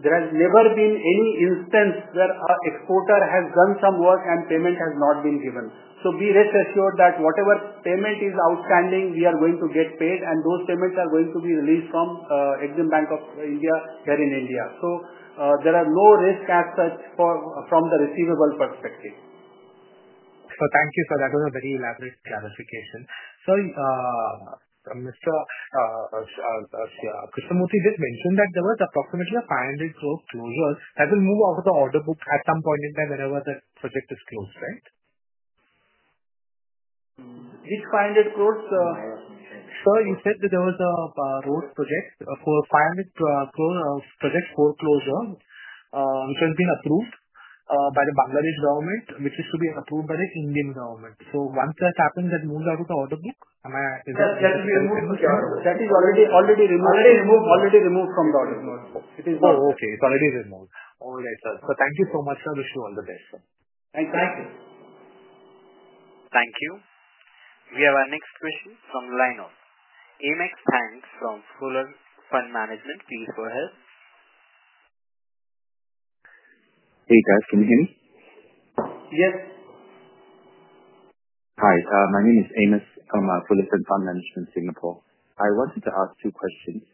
there has never been any instance where an exporter has done some work and payment has not been given. Be rest assured that whatever payment is outstanding, we are going to get paid, and those payments are going to be released from Exim Bank of India here in India. There are no risks as such from the receivable perspective. Sir, thank you, sir. That was a very elaborate clarification. Sir, Mr. Krishnamurthy did mention that there was approximately a 500 crore closure that will move out of the order book at some point in time whenever that project is closed, right? Which 500 crore? Sir, you said that there was a road project for a 500 crore project foreclosure, which has been approved by the Bangladesh government, which is to be approved by the Indian government. Once that happens, that moves out of the order book. Am I... That is already removed. Already removed. Already removed from the order book. It is not... Oh, okay. It's already removed. All right, sir. Sir, thank you so much. I wish you all the best, sir. Thank you. Thank you. We have our next question from the line of Amos Tan from Fullerton Fund Management. Please go ahead. Hey, guys. Can you hear me? Yes. Hi. My name is Amos. I'm at Fullerton Fund Management in Singapore. I wanted to ask two questions.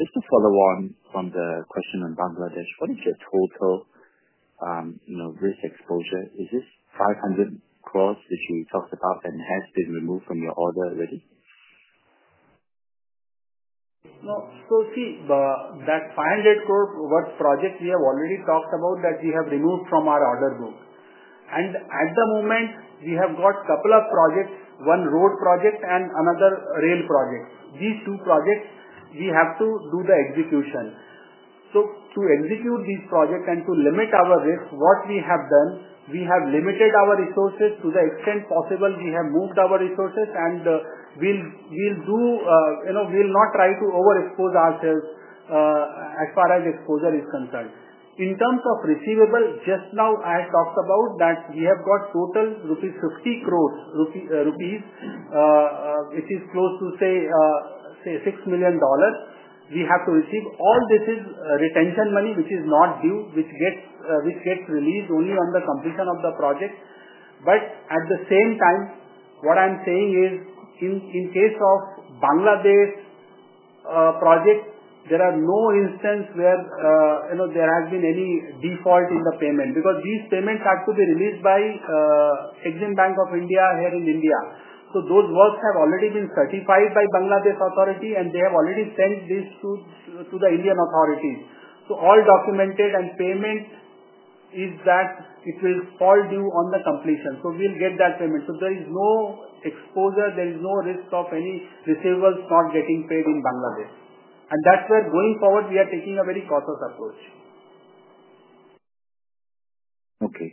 Just to follow on from the question on Bangladesh, what is your total risk exposure? Is this 500 crore which we talked about and has been removed from your order already? No, see, that 500 crore work project we have already talked about that we have removed from our order book. At the moment, we have got a couple of projects, one road project and another rail project. These two projects, we have to do the execution. To execute these projects and to limit our risk, what we have done, we have limited our resources to the extent possible. We have moved our resources and we'll do, we'll not try to overexpose ourselves as far as exposure is concerned. In terms of receivable, just now I talked about that we have got total 50 crore rupees, which is close to, say, $6 million. We have to receive. All this is retention money, which is not due, which gets released only on the completion of the project. At the same time, what I'm saying is, in case of Bangladesh project, there are no instance where there has been any default in the payment because these payments have to be released by Exim Bank of India here in India. Those works have already been certified by Bangladesh authority and they have already sent this to the Indian authorities. All documented and payment is that it will fall due on the completion. We'll get that payment. There is no exposure, there is no risk of any receivables not getting paid in Bangladesh. That's where going forward, we are taking a very cautious approach. Okay.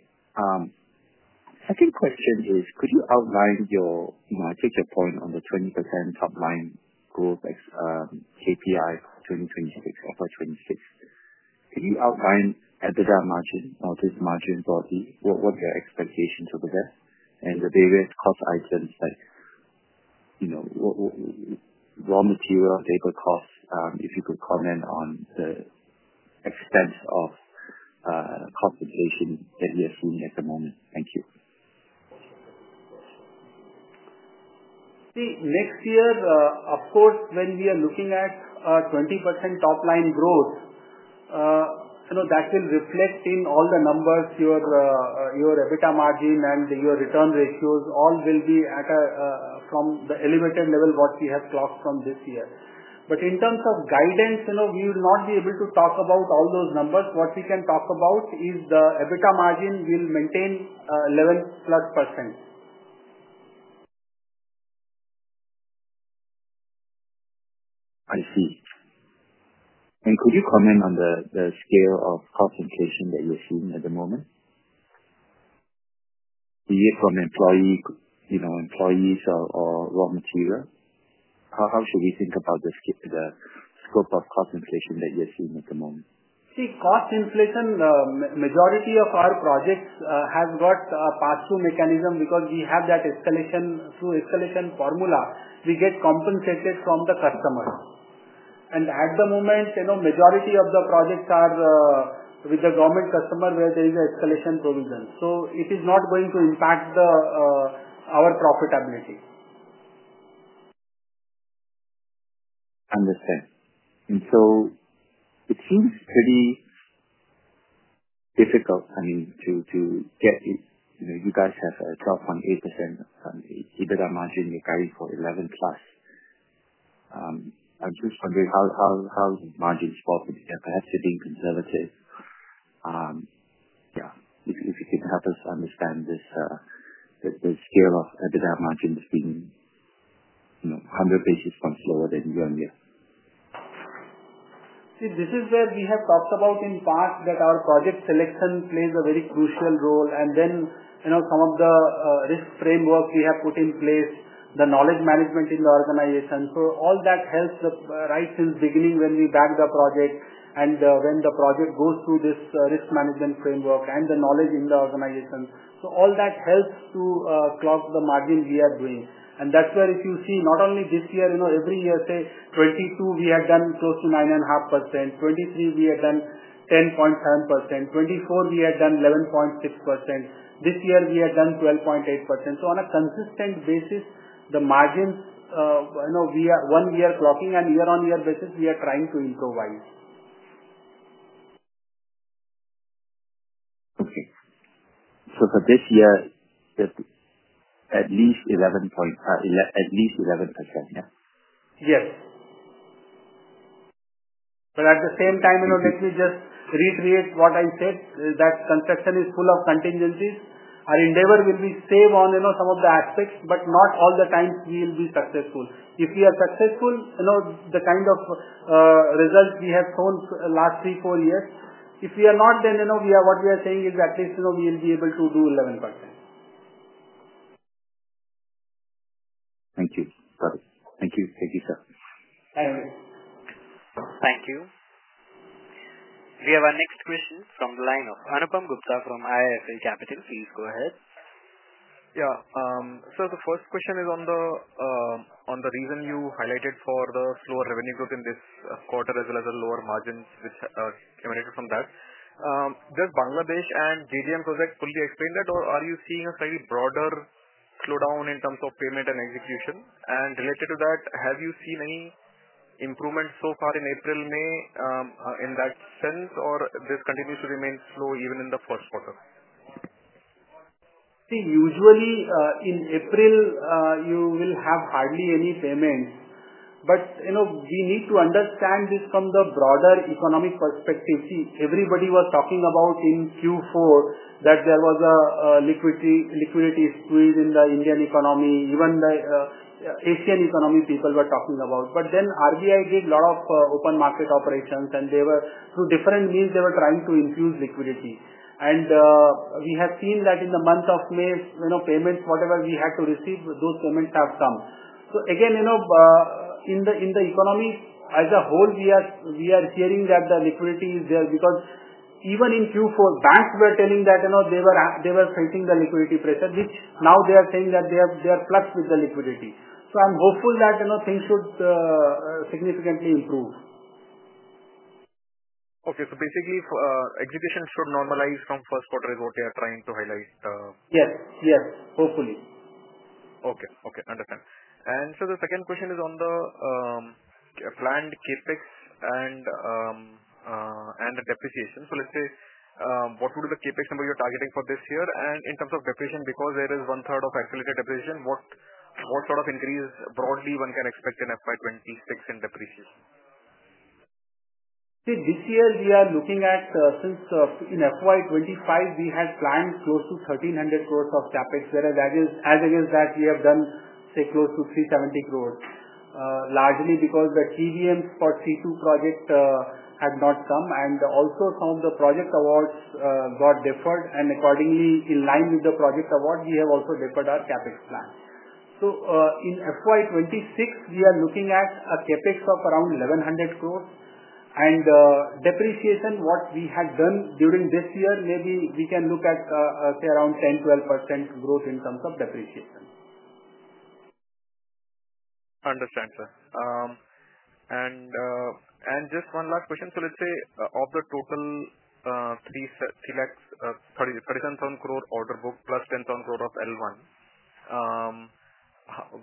Second question is, could you outline your, I take your point on the 20% top line growth KPI for 2026, FY 2026? Could you outline at the margin or this margin broadly, what your expectations over there and the various cost items like raw material, labor costs, if you could comment on the extent of compensation that you are seeing at the moment? Thank you. See, next year, of course, when we are looking at 20% top line growth, that will reflect in all the numbers, your EBITDA margin and your return ratios, all will be from the elevated level what we have clocked from this year. In terms of guidance, we will not be able to talk about all those numbers. What we can talk about is the EBITDA margin will maintain 11%+. I see. Could you comment on the scale of cost inflation that you're seeing at the moment? Do you hear from employees or raw material? How should we think about the scope of cost inflation that you're seeing at the moment? See, cost inflation, majority of our projects have got a pass-through mechanism because we have that escalation through escalation formula. We get compensated from the customers. At the moment, majority of the projects are with the government customer where there is an escalation provision. It is not going to impact our profitability. Understood. It seems pretty difficult, I mean, you guys have a top 18% EBITDA margin you're carrying for 11%+. I'm just wondering how margins fall for the year, perhaps you're being conservative. Yeah. If you can help us understand the scale of EBITDA margin has been 100 basis points lower than year-on-year. See, this is where we have talked about in past that our project selection plays a very crucial role. And then some of the risk framework we have put in place, the knowledge management in the organization. All that helps right since beginning when we back the project and when the project goes through this risk management framework and the knowledge in the organization. All that helps to clock the margin we are doing. That's where if you see, not only this year, every year, say, 2022, we had done close to 9.5%. 2023, we had done 10.7%. 2024, we had done 11.6%. This year, we had done 12.8%. On a consistent basis, the margins, we are one year clocking and year-on-year basis, we are trying to improvise. Okay. For this year, at least 11%, yeah? Yes. At the same time, let me just reiterate what I said, that construction is full of contingencies. Our endeavor will be saved on some of the aspects, but not all the times we will be successful. If we are successful, the kind of results we have shown last three, four years, if we are not, then what we are saying is at least we will be able to do 11%. Thank you. Thank you. Thank you, sir. Thank you. We have our next question from the line of Anupam Gupta from IIFL Capital. Please go ahead. Yeah. Sir, the first question is on the reason you highlighted for the slower revenue growth in this quarter as well as the lower margins which are emanating from that. Does Bangladesh and JDM project fully explain that, or are you seeing a slightly broader slowdown in terms of payment and execution? Related to that, have you seen any improvement so far in April, May in that sense, or does this continue to remain slow even in the first quarter? See, usually in April, you will have hardly any payments. We need to understand this from the broader economic perspective. Everybody was talking about in Q4 that there was a liquidity squeeze in the Indian economy. Even the Asian economy people were talking about. RBI did a lot of open market operations, and through different means, they were trying to infuse liquidity. We have seen that in the month of May, payments, whatever we had to receive, those payments have come. Again, in the economy as a whole, we are hearing that the liquidity is there because even in Q4, banks were telling that they were facing the liquidity pressure, which now they are saying that they are plugged with the liquidity. I'm hopeful that things should significantly improve. Okay. Basically, execution should normalize from first quarter is what they are trying to highlight. Yes. Yes. Hopefully. Okay. Understood. The second question is on the planned CapEx and the depreciation. Let's say, what would be the CapEx number you're targeting for this year? In terms of depreciation, because there is 1/3 of accelerated depreciation, what sort of increase broadly one can expect in FY 2026 in depreciation? See, this year we are looking at, since in FY 2025, we had planned close to 1,300 crore of CapEx, whereas as against that, we have done, say, close to 370 crore, largely because the TBM spot C2 project had not come. Also, some of the project awards got deferred. Accordingly, in line with the project award, we have also deferred our CapEx plan. In FY 2026, we are looking at a CapEx of around 1,100 crore. Depreciation, what we had done during this year, maybe we can look at, say, around 10%-12% growth in terms of depreciation. Understood, sir. Just one last question. Let's say, of the total 37,000 crore order book plus 10,000 crore of L1,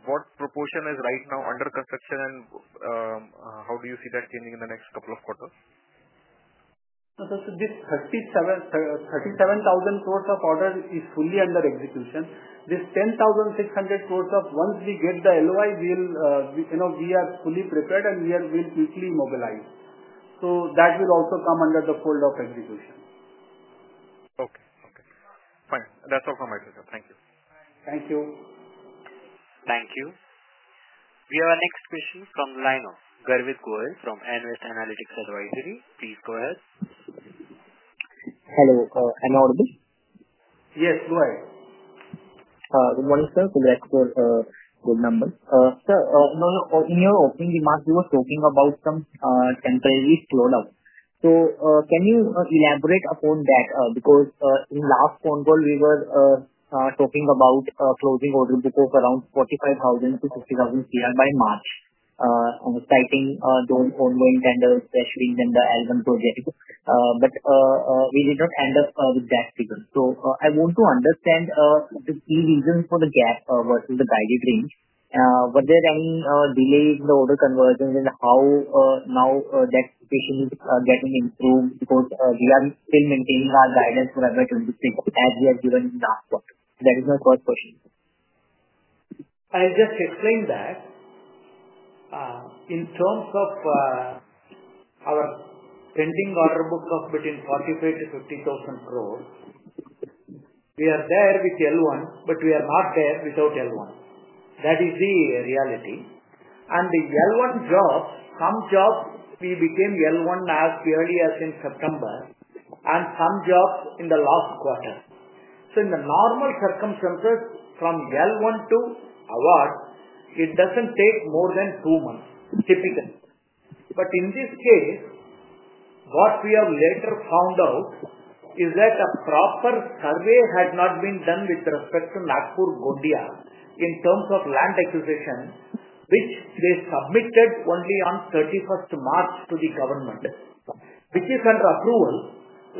what proportion is right now under construction, and how do you see that changing in the next couple of quarters? This 37,000 crore of order is fully under execution. This 10,600 crore, once we get the LOI, we are fully prepared and we will quickly mobilize. That will also come under the fold of execution. Okay. Okay. Fine. That's all from my side, sir. Thank you. Thank you. Thank you. We have our next question from the line of Garvit Goyal from Avendus Analytics Advisory. Please go ahead. Hello. Hello, Anuruddh? Yes. Go ahead. Good morning, sir. Congrats for gold numbers. Sir, in your opening remarks, you were talking about some temporary slowdown. Can you elaborate upon that? Because in last phone call, we were talking about closing order book of around 45,000 crore-50,000 crore by March, citing those ongoing tenders, especially in the L1 project. We did not end up with that figure. I want to understand the key reason for the gap versus the guided range. Were there any delays in the order conversions, and how now that situation is getting improved? Because we are still maintaining our guidance for L1 26 as we have given in last quarter. That is my first question. I'll just explain that. In terms of our pending order book of between 45,000 crore-50,000 crore, we are there with L1, but we are not there without L1. That is the reality. And the L1 jobs, some jobs we became L1 as early as in September, and some jobs in the last quarter. In the normal circumstances, from L1 to award, it does not take more than two months, typically. In this case, what we have later found out is that a proper survey had not been done with respect to Nagpur Gondia in terms of land acquisition, which they submitted only on 31st of March to the government, which is under approval.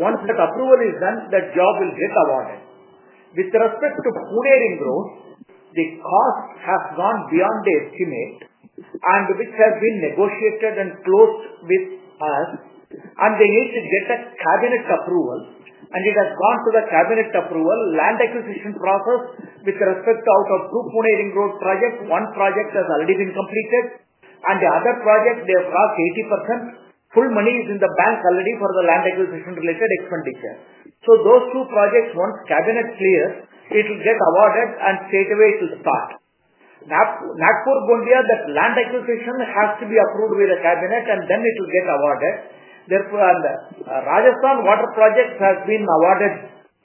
Once that approval is done, that job will get awarded. With respect to Pune Ring Road, the cost has gone beyond the estimate, and which has been negotiated and closed with us, and they need to get a cabinet approval. It has gone to the cabinet approval, land acquisition process with respect to out of two Pune Ring Road projects. One project has already been completed, and the other project, they have crossed 80%. Full money is in the bank already for the land acquisition related expenditure. Those two projects, once cabinet clears, it will get awarded, and straightaway it will start. Nagpur Gondia, that land acquisition has to be approved with the cabinet, and then it will get awarded. Rajasthan water project has been awarded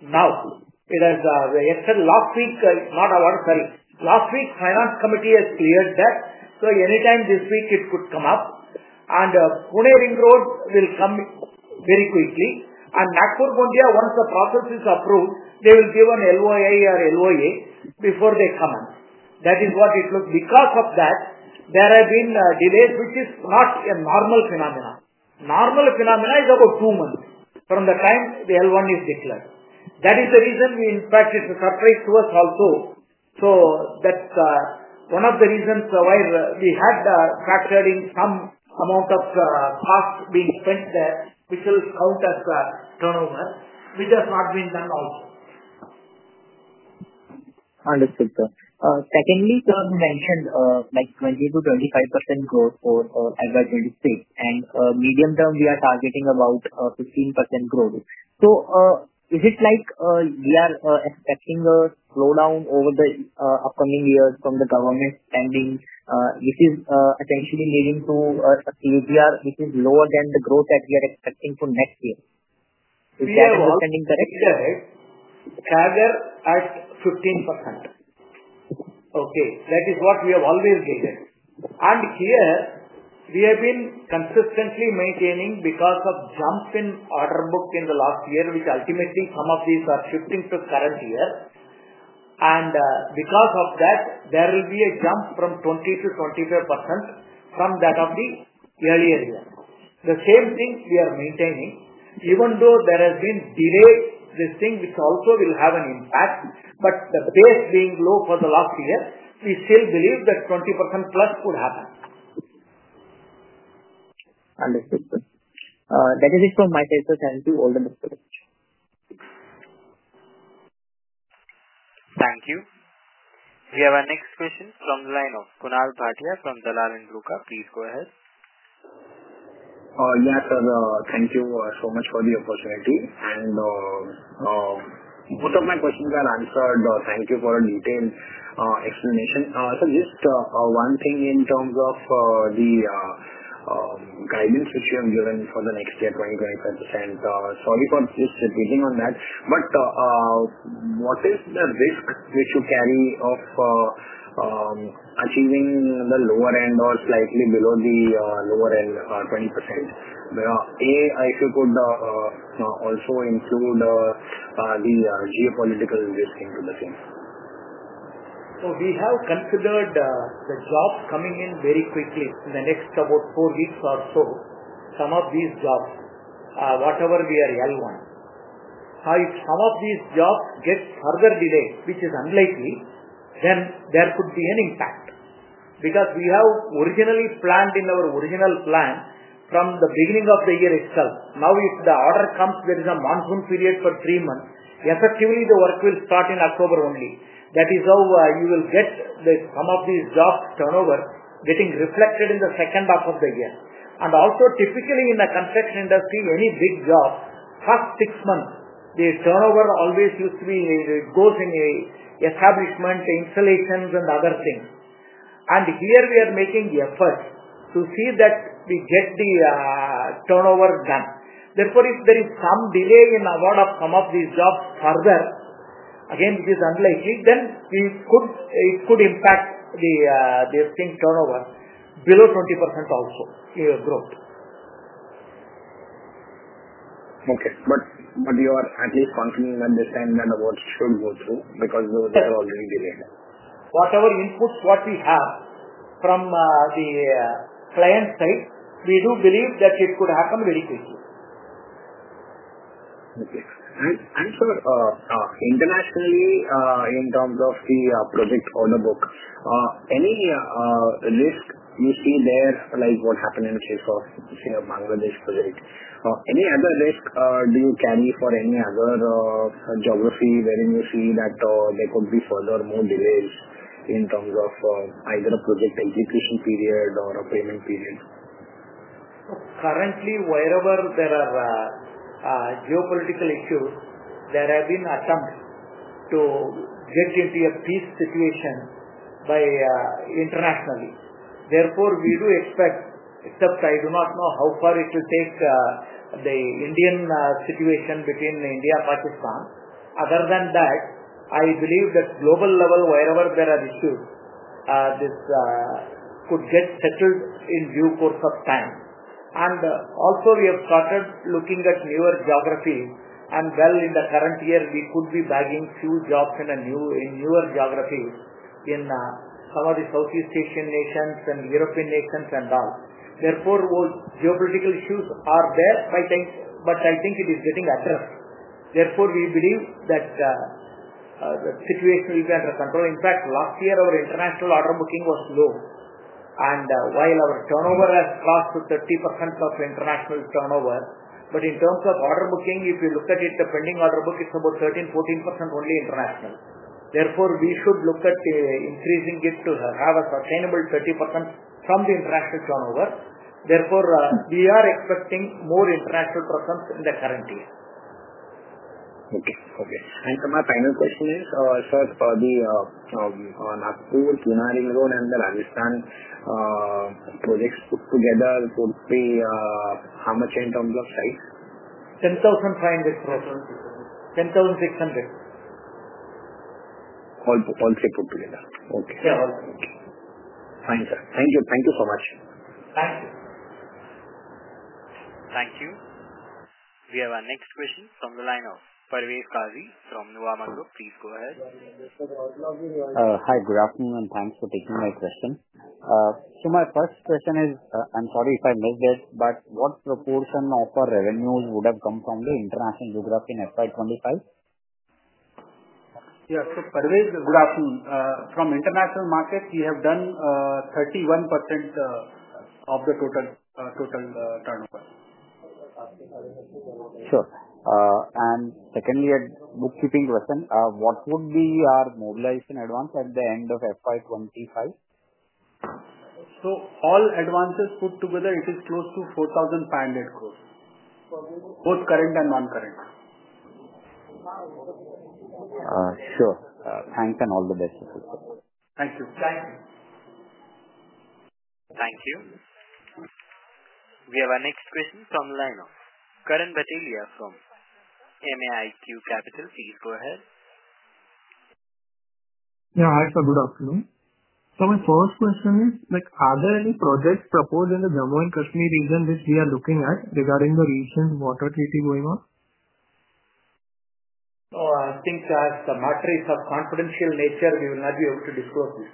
now. It has been last week, not awarded, sorry. Last week, finance committee has cleared that. Anytime this week, it could come up. Pune Ring Road will come very quickly. Nagpur Gondia, once the process is approved, they will give an LOI or LOA before they come. That is what it looks. Because of that, there have been delays, which is not a normal phenomenon. Normal phenomenon is about two months from the time the L1 is declared. That is the reason we, in fact, it surprised us also. That is one of the reasons why we had factored in some amount of cost being spent there, which will count as turnover, which has not been done also. Understood, sir. Secondly, sir, you mentioned like 20%-25% growth for FY 2026, and medium term, we are targeting about 15% growth. Is it like we are expecting a slowdown over the upcoming years from the government spending, which is essentially leading to a CAGR, which is lower than the growth that we are expecting for next year? Is that understanding correct? Yeah. It's staggered at 15%. Okay. That is what we have always gated. Here, we have been consistently maintaining because of jump in order book in the last year, which ultimately some of these are shifting to current year. Because of that, there will be a jump from 20%-25% from that of the earlier year. The same thing we are maintaining. Even though there has been delay, this thing, which also will have an impact, but the base being low for the last year, we still believe that 20% plus could happen. Understood, sir. That is it from my side, sir. Thank you. All the best. Thank you. We have our next question from the line of Kunal Bhatia from Dalal & Broacha. Please go ahead. Yeah, sir. Thank you so much for the opportunity. And both of my questions are answered. Thank you for a detailed explanation. Sir, just one thing in terms of the guidance which you have given for the next year, 20%-25%. Sorry for just repeating on that. But what is the risk which you carry of achieving the lower end or slightly below the lower end, 20%? A, if you could also include the geopolitical risk into the thing. We have considered the jobs coming in very quickly in the next about four weeks or so. Some of these jobs, whatever we are L1, if some of these jobs get further delayed, which is unlikely, then there could be an impact. Because we have originally planned in our original plan from the beginning of the year itself. Now, if the order comes, there is a monsoon period for three months. Effectively, the work will start in October only. That is how you will get some of these jobs turnover getting reflected in the second half of the year. Also, typically in the construction industry, any big job, first six months, the turnover always used to be goes in establishment, installations, and other things. Here, we are making the effort to see that we get the turnover done. Therefore, if there is some delay in award of some of these jobs further, again, which is unlikely, then it could impact the turnover below 20% also growth. Okay. You are at least confirming at this time that awards should go through because those are already delayed. Whatever inputs what we have from the client side, we do believe that it could happen very quickly. Okay. Sir, internationally, in terms of the project order book, any risk you see there, like what happened in the case of Bangladesh project? Any other risk do you carry for any other geography wherein you see that there could be further more delays in terms of either a project execution period or a payment period? Currently, wherever there are geopolitical issues, there have been attempts to get into a peace situation internationally. Therefore, we do expect, except I do not know how far it will take the Indian situation between India and Pakistan. Other than that, I believe that at the global level, wherever there are issues, this could get settled in due course of time. Also, we have started looking at newer geographies. In the current year, we could be bagging a few jobs in newer geographies in some of the Southeast Asian nations and European nations and all. Therefore, geopolitical issues are there by time, but I think it is getting addressed. We believe that the situation will be under control. In fact, last year, our international order booking was low. While our turnover has crossed to 30% of international turnover, in terms of order booking, if you look at it, the pending order book, it is about 13%-14% only international. Therefore, we should look at increasing it to have a sustainable 30% from the international turnover. Therefore, we are expecting more international presence in the current year. Okay. Okay. And my final question is, sir, for the Nagpur Pune Ring Road and the Rajasthan projects put together, it would be how much in terms of size? INR 10,500 crore. INR 10,600 crore. All three put together. Okay. Yeah. All three. Okay. Fine, sir. Thank you. Thank you so much. Thank you. Thank you. We have our next question from the line of Parveen Kazi from Nawab Agro. Please go ahead. Hi. Good afternoon, and thanks for taking my question. So my first question is, I'm sorry if I missed it, but what proportion of our revenues would have come from the international geography in FY 2025? Yeah. So Parveen, good afternoon. From international markets, we have done 31% of the total turnover. Sure. Secondly, a bookkeeping question. What would be our mobilization advance at the end of FY 2025? All advances put together, it is close to 4,500 crore, both current and non-current. Sure. Thanks and all the best. Thank you. Thank you. Thank you. We have our next question from the line of Karan Bhatelia from MAIQ Capital. Please go ahead. Yeah. Hi, sir. Good afternoon. My first question is, are there any projects proposed in the Jammu and Kashmir region which we are looking at regarding the recent water treaty going on? I think that's a matter of confidential nature. We will not be able to disclose this.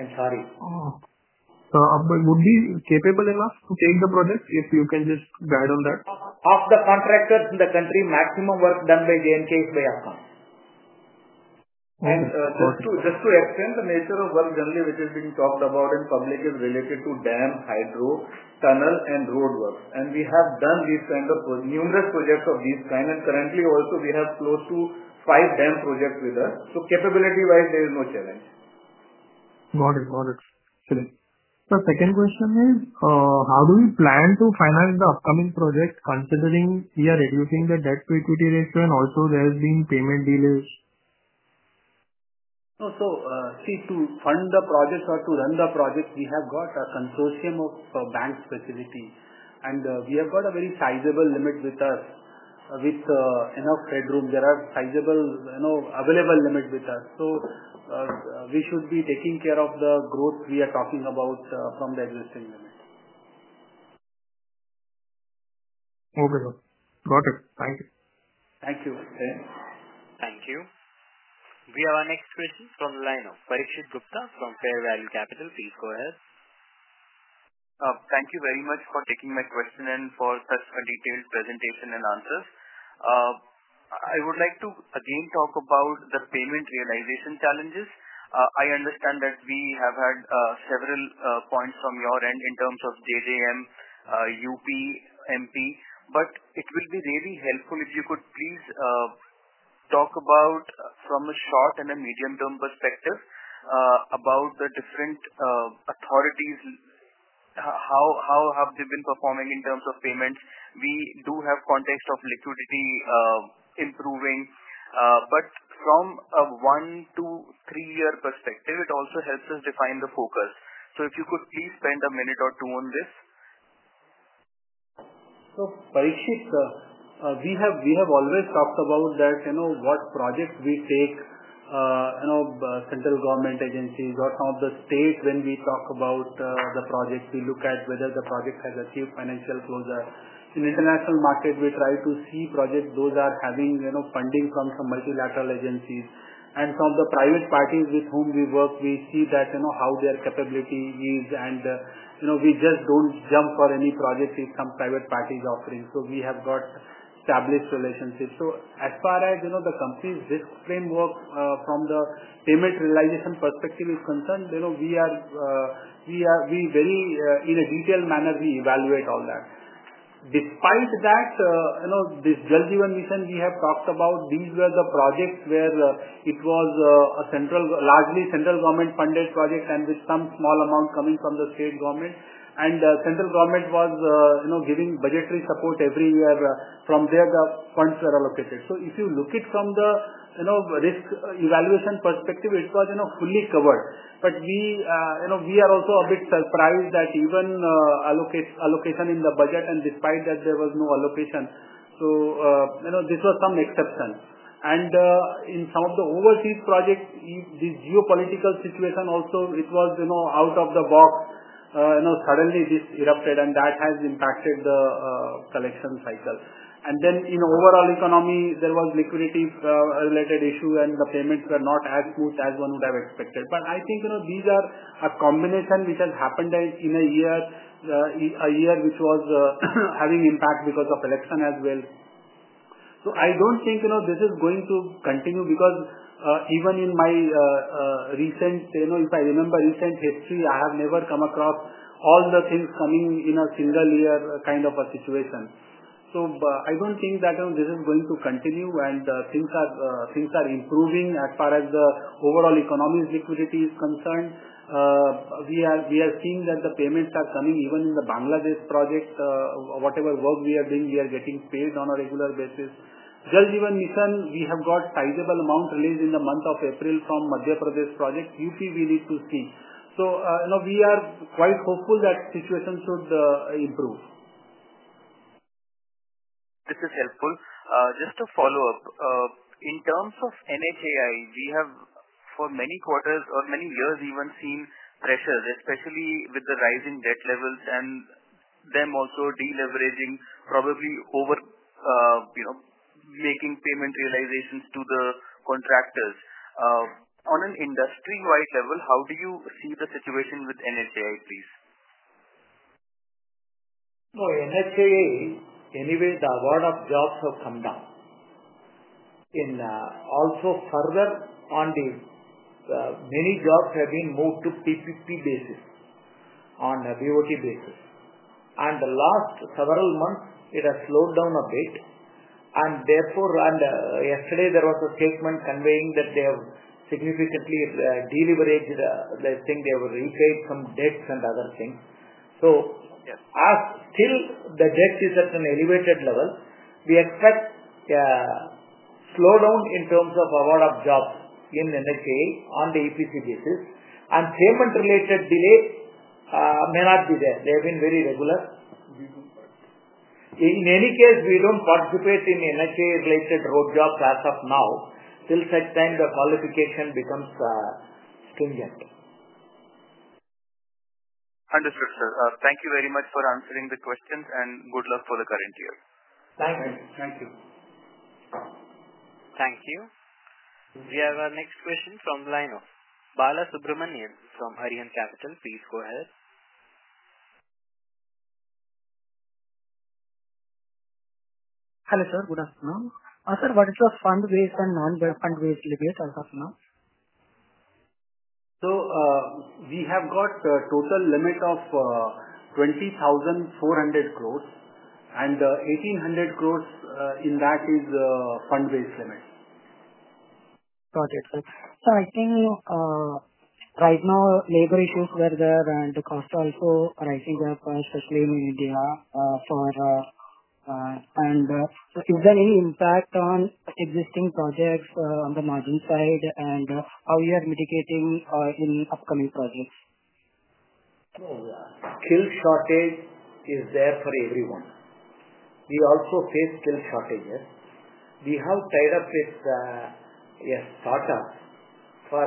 I'm sorry. Would we be capable enough to take the project if you can just guide on that? Of the contractors in the country, maximum work done by Jammu and Kashmir is by Akram. Just to explain, the nature of work generally which is being talked about in public is related to dam, hydro, tunnel, and road work. We have done numerous projects of this kind. Currently, also, we have close to five dam projects with us. Capability-wise, there is no challenge. Got it. Got it. Excellent. Second question is, how do we plan to finance the upcoming project considering we are reducing the debt-to-equity ratio and also there have been payment delays? To fund the projects or to run the projects, we have got a consortium of bank facilities. We have got a very sizable limit with us with enough headroom. There are sizable available limits with us. We should be taking care of the growth we are talking about from the existing limit. Okay. Got it. Thank you. Thank you. Thank you. We have our next question from the line of Parikshit Gupta from Fair Value Capital. Please go ahead. Thank you very much for taking my question and for such a detailed presentation and answers. I would like to again talk about the payment realization challenges. I understand that we have had several points from your end in terms of JJM, UP, MP. It will be really helpful if you could please talk about from a short and a medium-term perspective about the different authorities, how have they been performing in terms of payments. We do have context of liquidity improving. From a one, two, three-year perspective, it also helps us define the focus. If you could please spend a minute or two on this. Parikshit, we have always talked about that what projects we take, central government agencies or some of the state when we talk about the projects, we look at whether the project has achieved financial closure. In international markets, we try to see projects those are having funding from some multilateral agencies. And some of the private parties with whom we work, we see that how their capability is. We just don't jump for any projects if some private party is offering. We have got established relationships. As far as the company's risk framework from the payment realization perspective is concerned, we very in a detailed manner, we evaluate all that. Despite that, this Jal Jeevan Mission we have talked about, these were the projects where it was largely central government-funded projects and with some small amount coming from the state government. Central government was giving budgetary support every year from where the funds were allocated. If you look at it from the risk evaluation perspective, it was fully covered. We are also a bit surprised that even allocation in the budget and despite that there was no allocation. This was some exception. In some of the overseas projects, this geopolitical situation also, it was out of the box. Suddenly, this erupted and that has impacted the collection cycle. In overall economy, there was liquidity-related issue and the payments were not as smooth as one would have expected. I think these are a combination which has happened in a year which was having impact because of election as well. I don't think this is going to continue because even in my recent, if I remember recent history, I have never come across all the things coming in a single-year kind of a situation. I don't think that this is going to continue and things are improving as far as the overall economy's liquidity is concerned. We are seeing that the payments are coming even in the Bangladesh project. Whatever work we are doing, we are getting paid on a regular basis. Jal Jeevan Mission, we have got sizable amount released in the month of April from Madhya Pradesh project. UP, we need to see. We are quite hopeful that situation should improve. This is helpful. Just to follow up, in terms of NHAI, we have for many quarters or many years even seen pressures, especially with the rising debt levels and them also deleveraging, probably over making payment realizations to the contractors. On an industry-wide level, how do you see the situation with NHAI, please? No, NHAI, anyway, the award of jobs have come down. Also, further on, many jobs have been moved to PPP basis on VOT basis. In the last several months, it has slowed down a bit. Yesterday, there was a statement conveying that they have significantly deleveraged the thing, they have repaid some debts and other things. Still, the debt is at an elevated level. We expect slowdown in terms of award of jobs in NHAI on the EPC basis. Payment-related delay may not be there. They have been very regular. In any case, we do not participate in NHAI-related road jobs as of now. Till such time, the qualification becomes stringent. Understood, sir. Thank you very much for answering the questions and good luck for the current year. Thank you. Thank you. We have our next question from the line of Balasubramanian from Arihant Capital. Please go ahead. Hello sir, good afternoon. Sir, what is your fund-based and non-fund-based limit as of now? We have got a total limit of 20,400 crore. And 1,800 crore in that is the fund-based limit. Got it. I think right now, labor issues were there and the cost also rising up, especially in India for. Is there any impact on existing projects on the margin side and how you are mitigating in upcoming projects? Skill shortage is there for everyone. We also face skill shortages. We have tied up with a startup for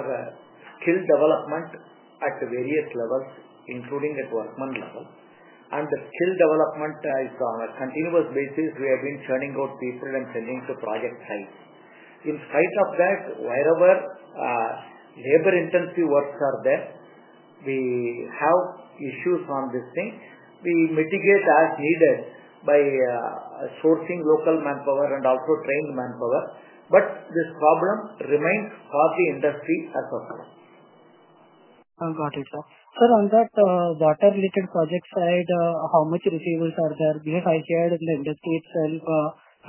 skill development at various levels, including at workman level. The skill development is on a continuous basis. We have been churning out people and sending to project sites. In spite of that, wherever labor-intensive works are there, we have issues on this thing. We mitigate as needed by sourcing local manpower and also trained manpower. This problem remains for the industry as of now. Got it, sir. Sir, on that water-related project side, how much receivables are there? Because I heard in the industry itself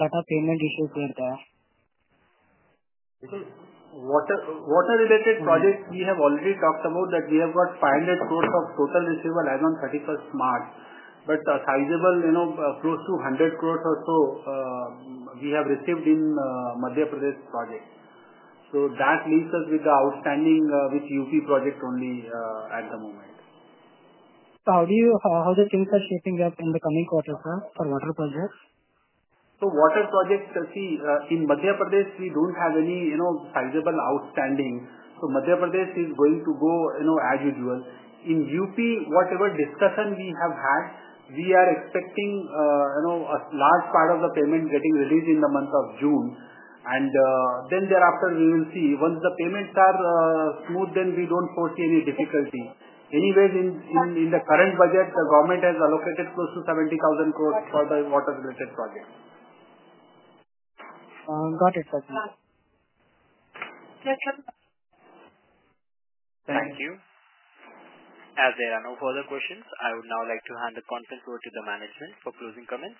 that payment issues were there. Water-related projects, we have already talked about that we have got 500 crore of total receivable as of 31st March. Sizable, close to 100 crore or so we have received in Madhya Pradesh projects. That leaves us with the outstanding with UP project only at the moment. How do you see the things shaping up in the coming quarters, sir, for water projects? Water projects, see, in Madhya Pradesh, we do not have any sizable outstanding. Madhya Pradesh is going to go as usual. In UP, whatever discussion we have had, we are expecting a large part of the payment getting released in the month of June. Thereafter, we will see. Once the payments are smooth, we do not foresee any difficulty. Anyway, in the current budget, the government has allocated close to 70,000 crore for the water-related projects. Got it, sir. Thank you. As there are no further questions, I would now like to hand the conference over to the management for closing comments.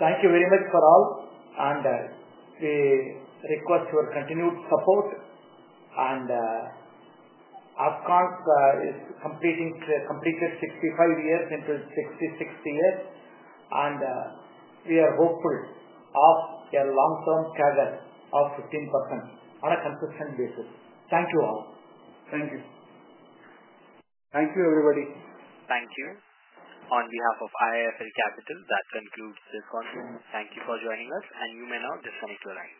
Thank you very much for all. We request your continued support. Afcons is completing 65 years into 66 years. We are hopeful of a long-term carrier of 15% on a consistent basis. Thank you all. Thank you. Thank you, everybody. Thank you. On behalf of IIFL Capital, that concludes this conference. Thank you for joining us. You may now disconnect your line.